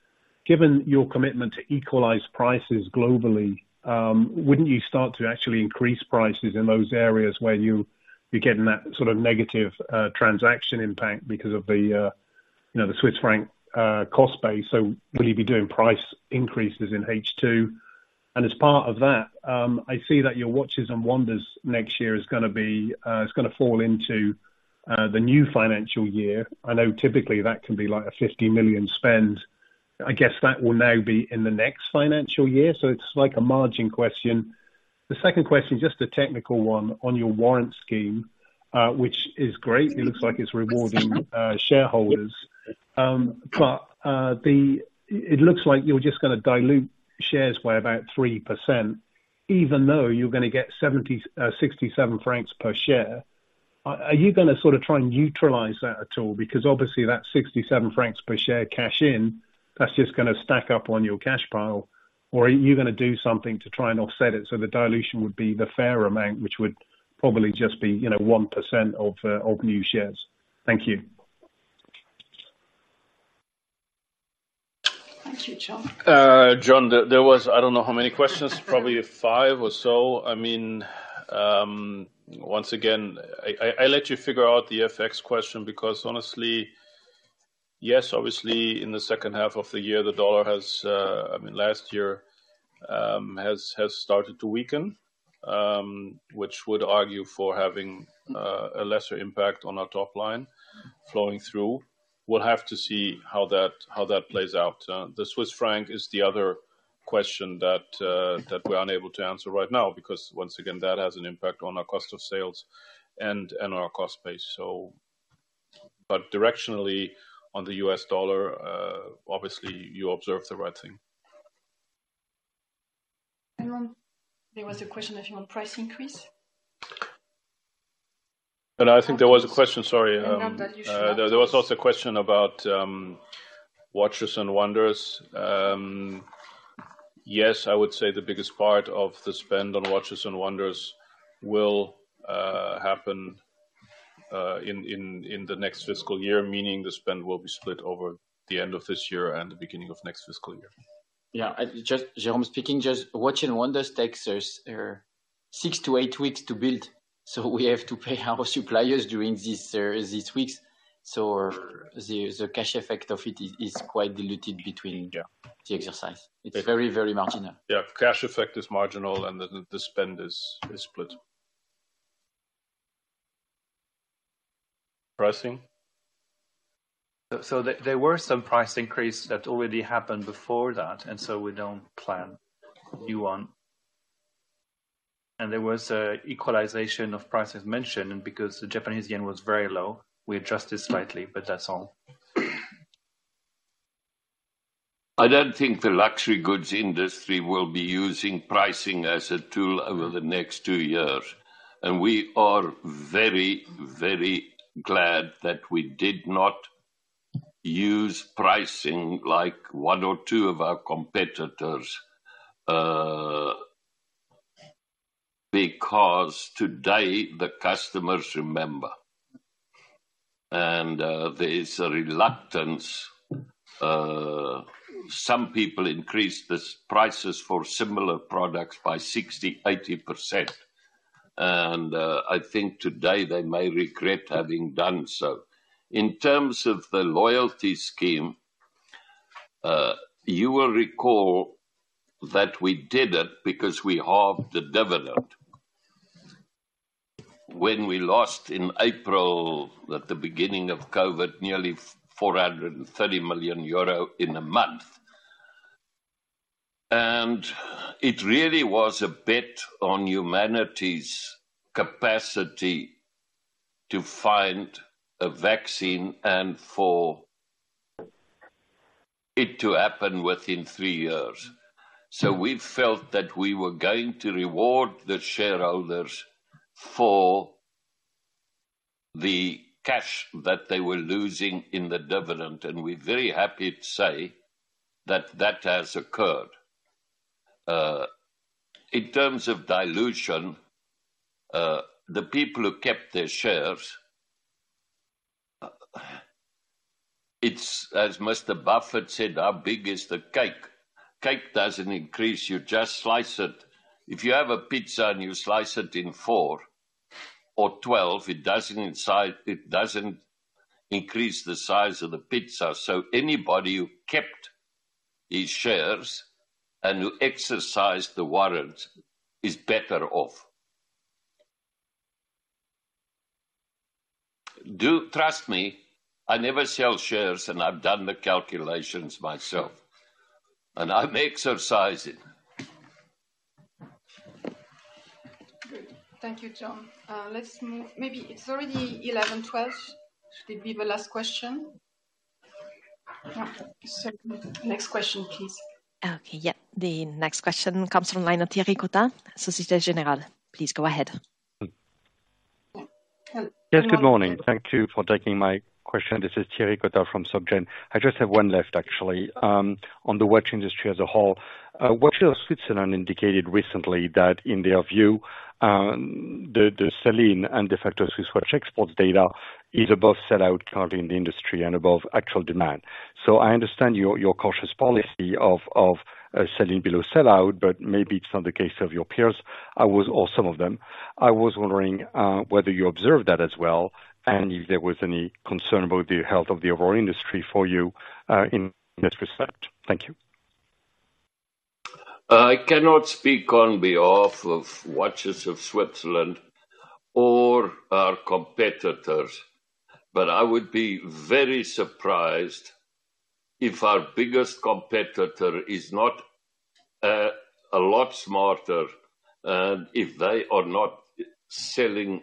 given your commitment to equalize prices globally, wouldn't you start to actually increase prices in those areas where you'll be getting that sort of negative, transaction impact because of the, you know, the Swiss franc, cost base? So will you be doing price increases in H2? And as part of that, I see that your Watches and Wonders next year is gonna be... is gonna fall into the new financial year. I know typically that can be like a 50 million spend. I guess that will now be in the next financial year, so it's like a margin question. The second question, just a technical one on your warrant scheme, which is great. It looks like it's rewarding shareholders. But it looks like you're just gonna dilute shares by about 3%, even though you're gonna get 67 francs per share. Are you gonna sort of try and neutralize that at all? Because obviously, that 67 francs per share cash in, that's just gonna stack up on your cash pile. Or are you gonna do something to try and offset it so the dilution would be the fair amount, which would probably just be, you know, 1% of, of new shares? Thank you.... Thank you, John. Jon, I don't know how many questions, probably five or so. I mean, once again, I let you figure out the FX question because honestly, yes, obviously, in the second half of the year, the dollar has, I mean, last year, has started to weaken, which would argue for having a lesser impact on our top line flowing through. We'll have to see how that plays out. The Swiss franc is the other question that we are unable to answer right now, because once again, that has an impact on our cost of sales and our cost base. So. But directionally, on the U.S. dollar, obviously, you observed the right thing. There was a question about price increase? I think there was a question. Sorry, Not that you should ask. There was also a question about Watches and Wonders. Yes, I would say the biggest part of the spend on Watches and Wonders will happen in the next fiscal year, meaning the spend will be split over the end of this year and the beginning of next fiscal year. Yeah, I just, Jérôme speaking, just Watches and Wonders takes us 6-8 weeks to build, so we have to pay our suppliers during these weeks. So the cash effect of it is quite diluted between- Yeah -the exercise. It's very, very marginal. Yeah, cash effect is marginal, and the spend is split. Pricing? There were some price increases that already happened before that, and we don't plan new ones. There was an equalization of prices mentioned, and because the Japanese yen was very low, we adjusted slightly, but that's all. I don't think the luxury goods industry will be using pricing as a tool over the next two years, and we are very, very glad that we did not use pricing like one or two of our competitors, because today, the customers remember. And, there is a reluctance. Some people increased the prices for similar products by 60%-80%, and, I think today they may regret having done so. In terms of the loyalty scheme, you will recall that we did it because we halved the dividend. When we lost in April, at the beginning of COVID, nearly 430 million euro in a month. And it really was a bet on humanity's capacity to find a vaccine and for it to happen within three years. So we felt that we were going to reward the shareholders for the cash that they were losing in the dividend, and we're very happy to say that that has occurred. In terms of dilution, the people who kept their shares, it's as Mr. Buffett said, "How big is the cake?" Cake doesn't increase, you just slice it. If you have a pizza and you slice it in 4 or 12, it doesn't increase in size. It doesn't increase the size of the pizza. So anybody who kept his shares and who exercised the warrant is better off. Trust me, I never sell shares, and I've done the calculations myself, and I'm exercising. Good. Thank you, John. Let's move. Maybe it's already 11, 12. Should it be the last question? So next question, please. Okay, yeah. The next question comes from line of Thierry Cota, Société Générale. Please go ahead. Hello. Yes, good morning. Thank you for taking my question. This is Thierry Cotta from Soc Gen. I just have one left, actually, on the watch industry as a whole. Watches of Switzerland indicated recently that in their view, the sell-in and the Federation Swiss watch exports data is above sell-out currently in the industry and above actual demand. So I understand your cautious policy of selling below sell-out, but maybe it's not the case of your peers or some of them. I was wondering whether you observed that as well, and if there was any concern about the health of the overall industry for you in this respect. Thank you. I cannot speak on behalf of Watches of Switzerland or our competitors, but I would be very surprised if our biggest competitor is not a lot smarter, and if they are not selling...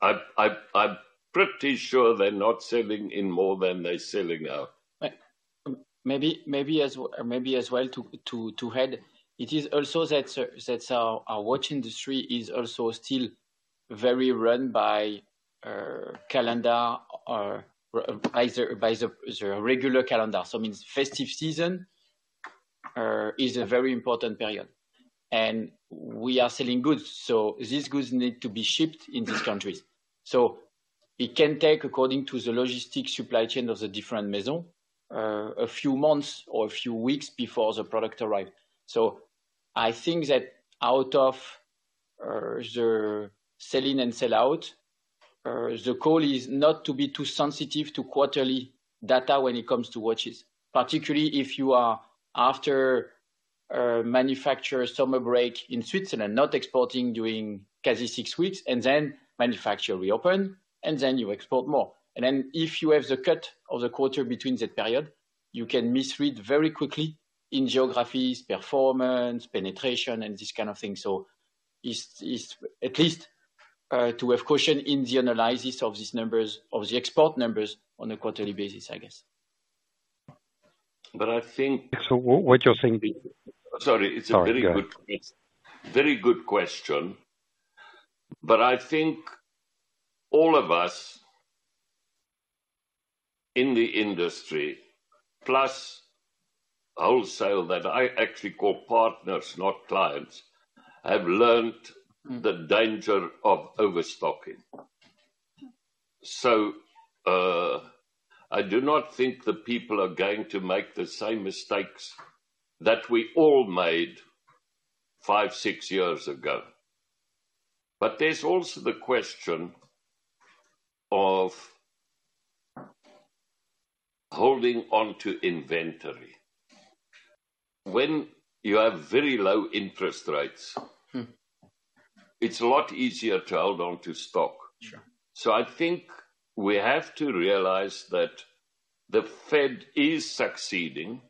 I'm pretty sure they're not selling in more than they're selling now. It is also that our watch industry is also still very run by calendar or by the regular calendar. So it means festive season is a very important period, and we are selling goods, so these goods need to be shipped in these countries. So it can take, according to the logistics supply chain of the different maison, a few months or a few weeks before the product arrive. So I think that out of the Sell-in and Sell-out, the call is not to be too sensitive to quarterly data when it comes to watches. Particularly, if you are after a manufacturer summer break in Switzerland, not exporting during quasi six weeks, and then manufacturer reopen, and then you export more. If you have the cut of the quarter between that period, you can misread very quickly in geographies, performance, penetration, and this kind of thing. It's at least to have caution in the analysis of these numbers, of the export numbers on a quarterly basis, I guess. Sorry, go ahead. Very good question. But I think all of us in the industry, plus wholesale, that I actually call partners, not clients, have learned the danger of overstocking. So, I do not think the people are going to make the same mistakes that we all made five, six years ago. But there's also the question of holding on to inventory. When you have very low interest rates- Mm. It's a lot easier to hold on to stock. Sure. So I think we have to realize that the Fed is succeeding,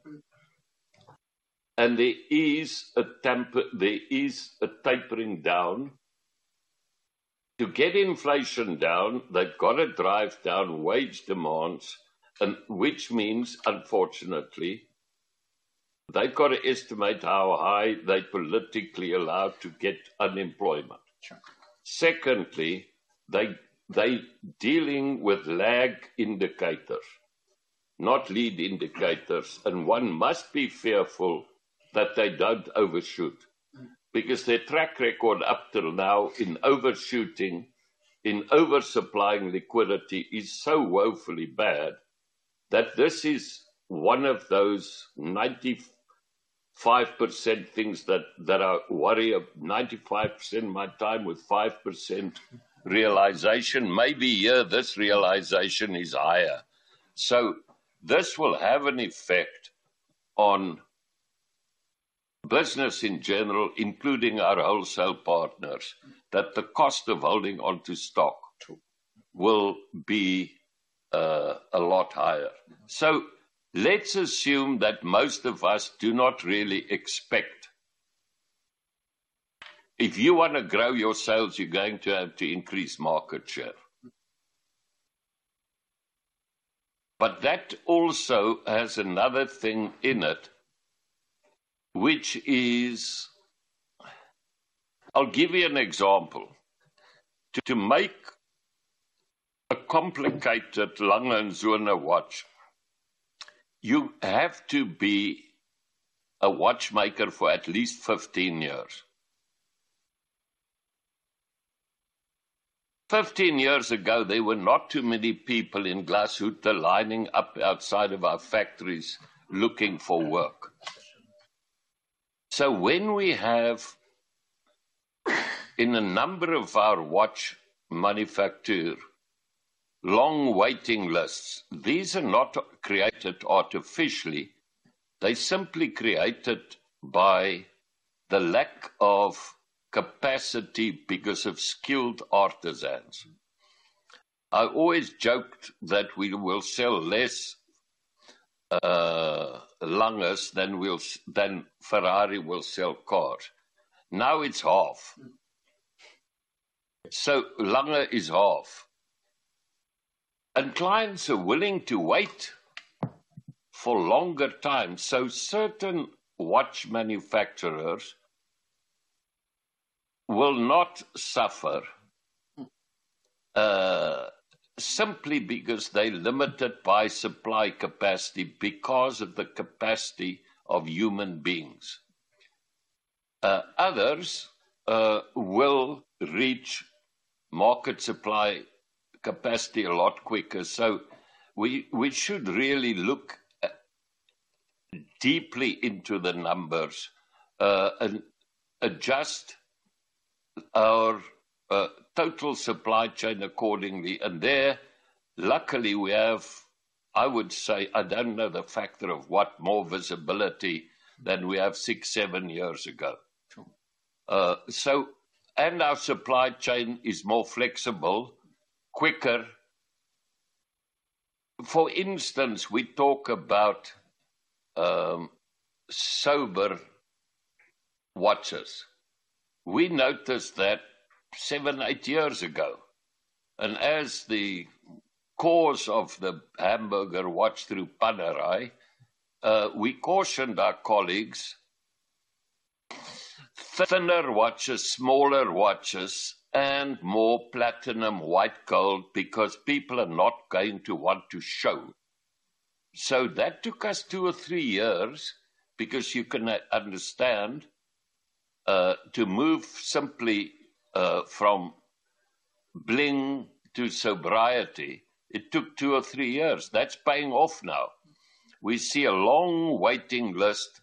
and there is a temper... There is a tapering down. To get inflation down, they've got to drive down wage demands, and which means, unfortunately, they've got to estimate how high they politically allowed to get unemployment. Sure. Secondly, they dealing with lag indicators, not lead indicators, and one must be fearful that they don't overshoot. Because their track record up till now in overshooting, in oversupplying liquidity, is so woefully bad that this is one of those 95% things that I worry of 95% my time with 5% realization. Maybe here, this realization is higher. So this will have an effect on business in general, including our wholesale partners, that the cost of holding onto stock- True... will be a lot higher. So let's assume that most of us do not really expect. If you wanna grow your sales, you're going to have to increase market share. But that also has another thing in it, which is... I'll give you an example: To make a complicated A. Lange & Söhne watch, you have to be a watchmaker for at least 15 years. 15 years ago, there were not too many people in Glashütte lining up outside of our factories looking for work. So when we have, in a number of our watch manufacture, long waiting lists, these are not created artificially, they're simply created by the lack of capacity because of skilled artisans. I always joked that we will sell less Langes than we'll than Ferrari will sell cars. Now, it's half. Mm. Lange is half. Clients are willing to wait for longer time. Certain watch manufacturers will not suffer simply because they're limited by supply capacity because of the capacity of human beings. Others will reach market supply capacity a lot quicker. We should really look deeply into the numbers and adjust our total supply chain accordingly. There, luckily, we have, I would say, I don't know the factor of what, more visibility than we have 6, 7 years ago. True. So, our supply chain is more flexible, quicker. For instance, we talk about sober watches. We noticed that seven, eight years ago, and as the cause of the hamburger watch through Panerai, we cautioned our colleagues, thinner watches, smaller watches, and more platinum white gold, because people are not going to want to show. So that took us two or three years, because you can understand to move simply from bling to sobriety, it took two or three years. That's paying off now. We see a long waiting list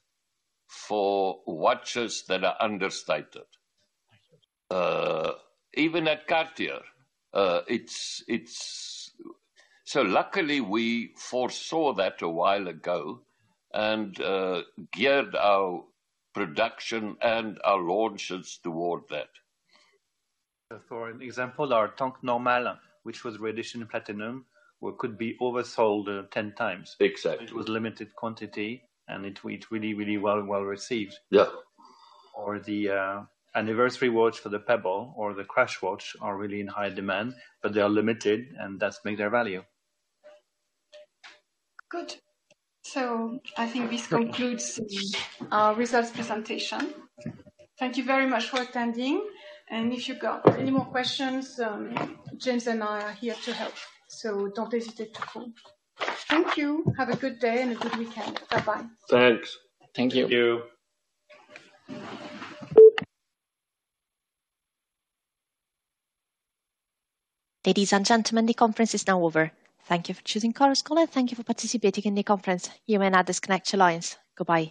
for watches that are understated. Even at Cartier, it's, it's... So luckily, we foresaw that a while ago and geared our production and our launches toward that. For an example, our Tank Normale, which was rhodium-plated platinum, where it could be oversold 10 times. Exactly. It was limited quantity, and it went really, really well, well received. Yeah. Or the anniversary watch for the Pebble or the Crash watch are really in high demand, but they are limited, and that's make their value. Good. So I think this concludes our results presentation. Thank you very much for attending, and if you got any more questions, James and I are here to help, so don't hesitate to call. Thank you. Have a good day and a good weekend. Bye-bye. Thanks. Thank you. Thank you. Ladies and gentlemen, the conference is now over. Thank you for choosing Chorus Call, and thank you for participating in the conference. You may now disconnect your lines. Goodbye.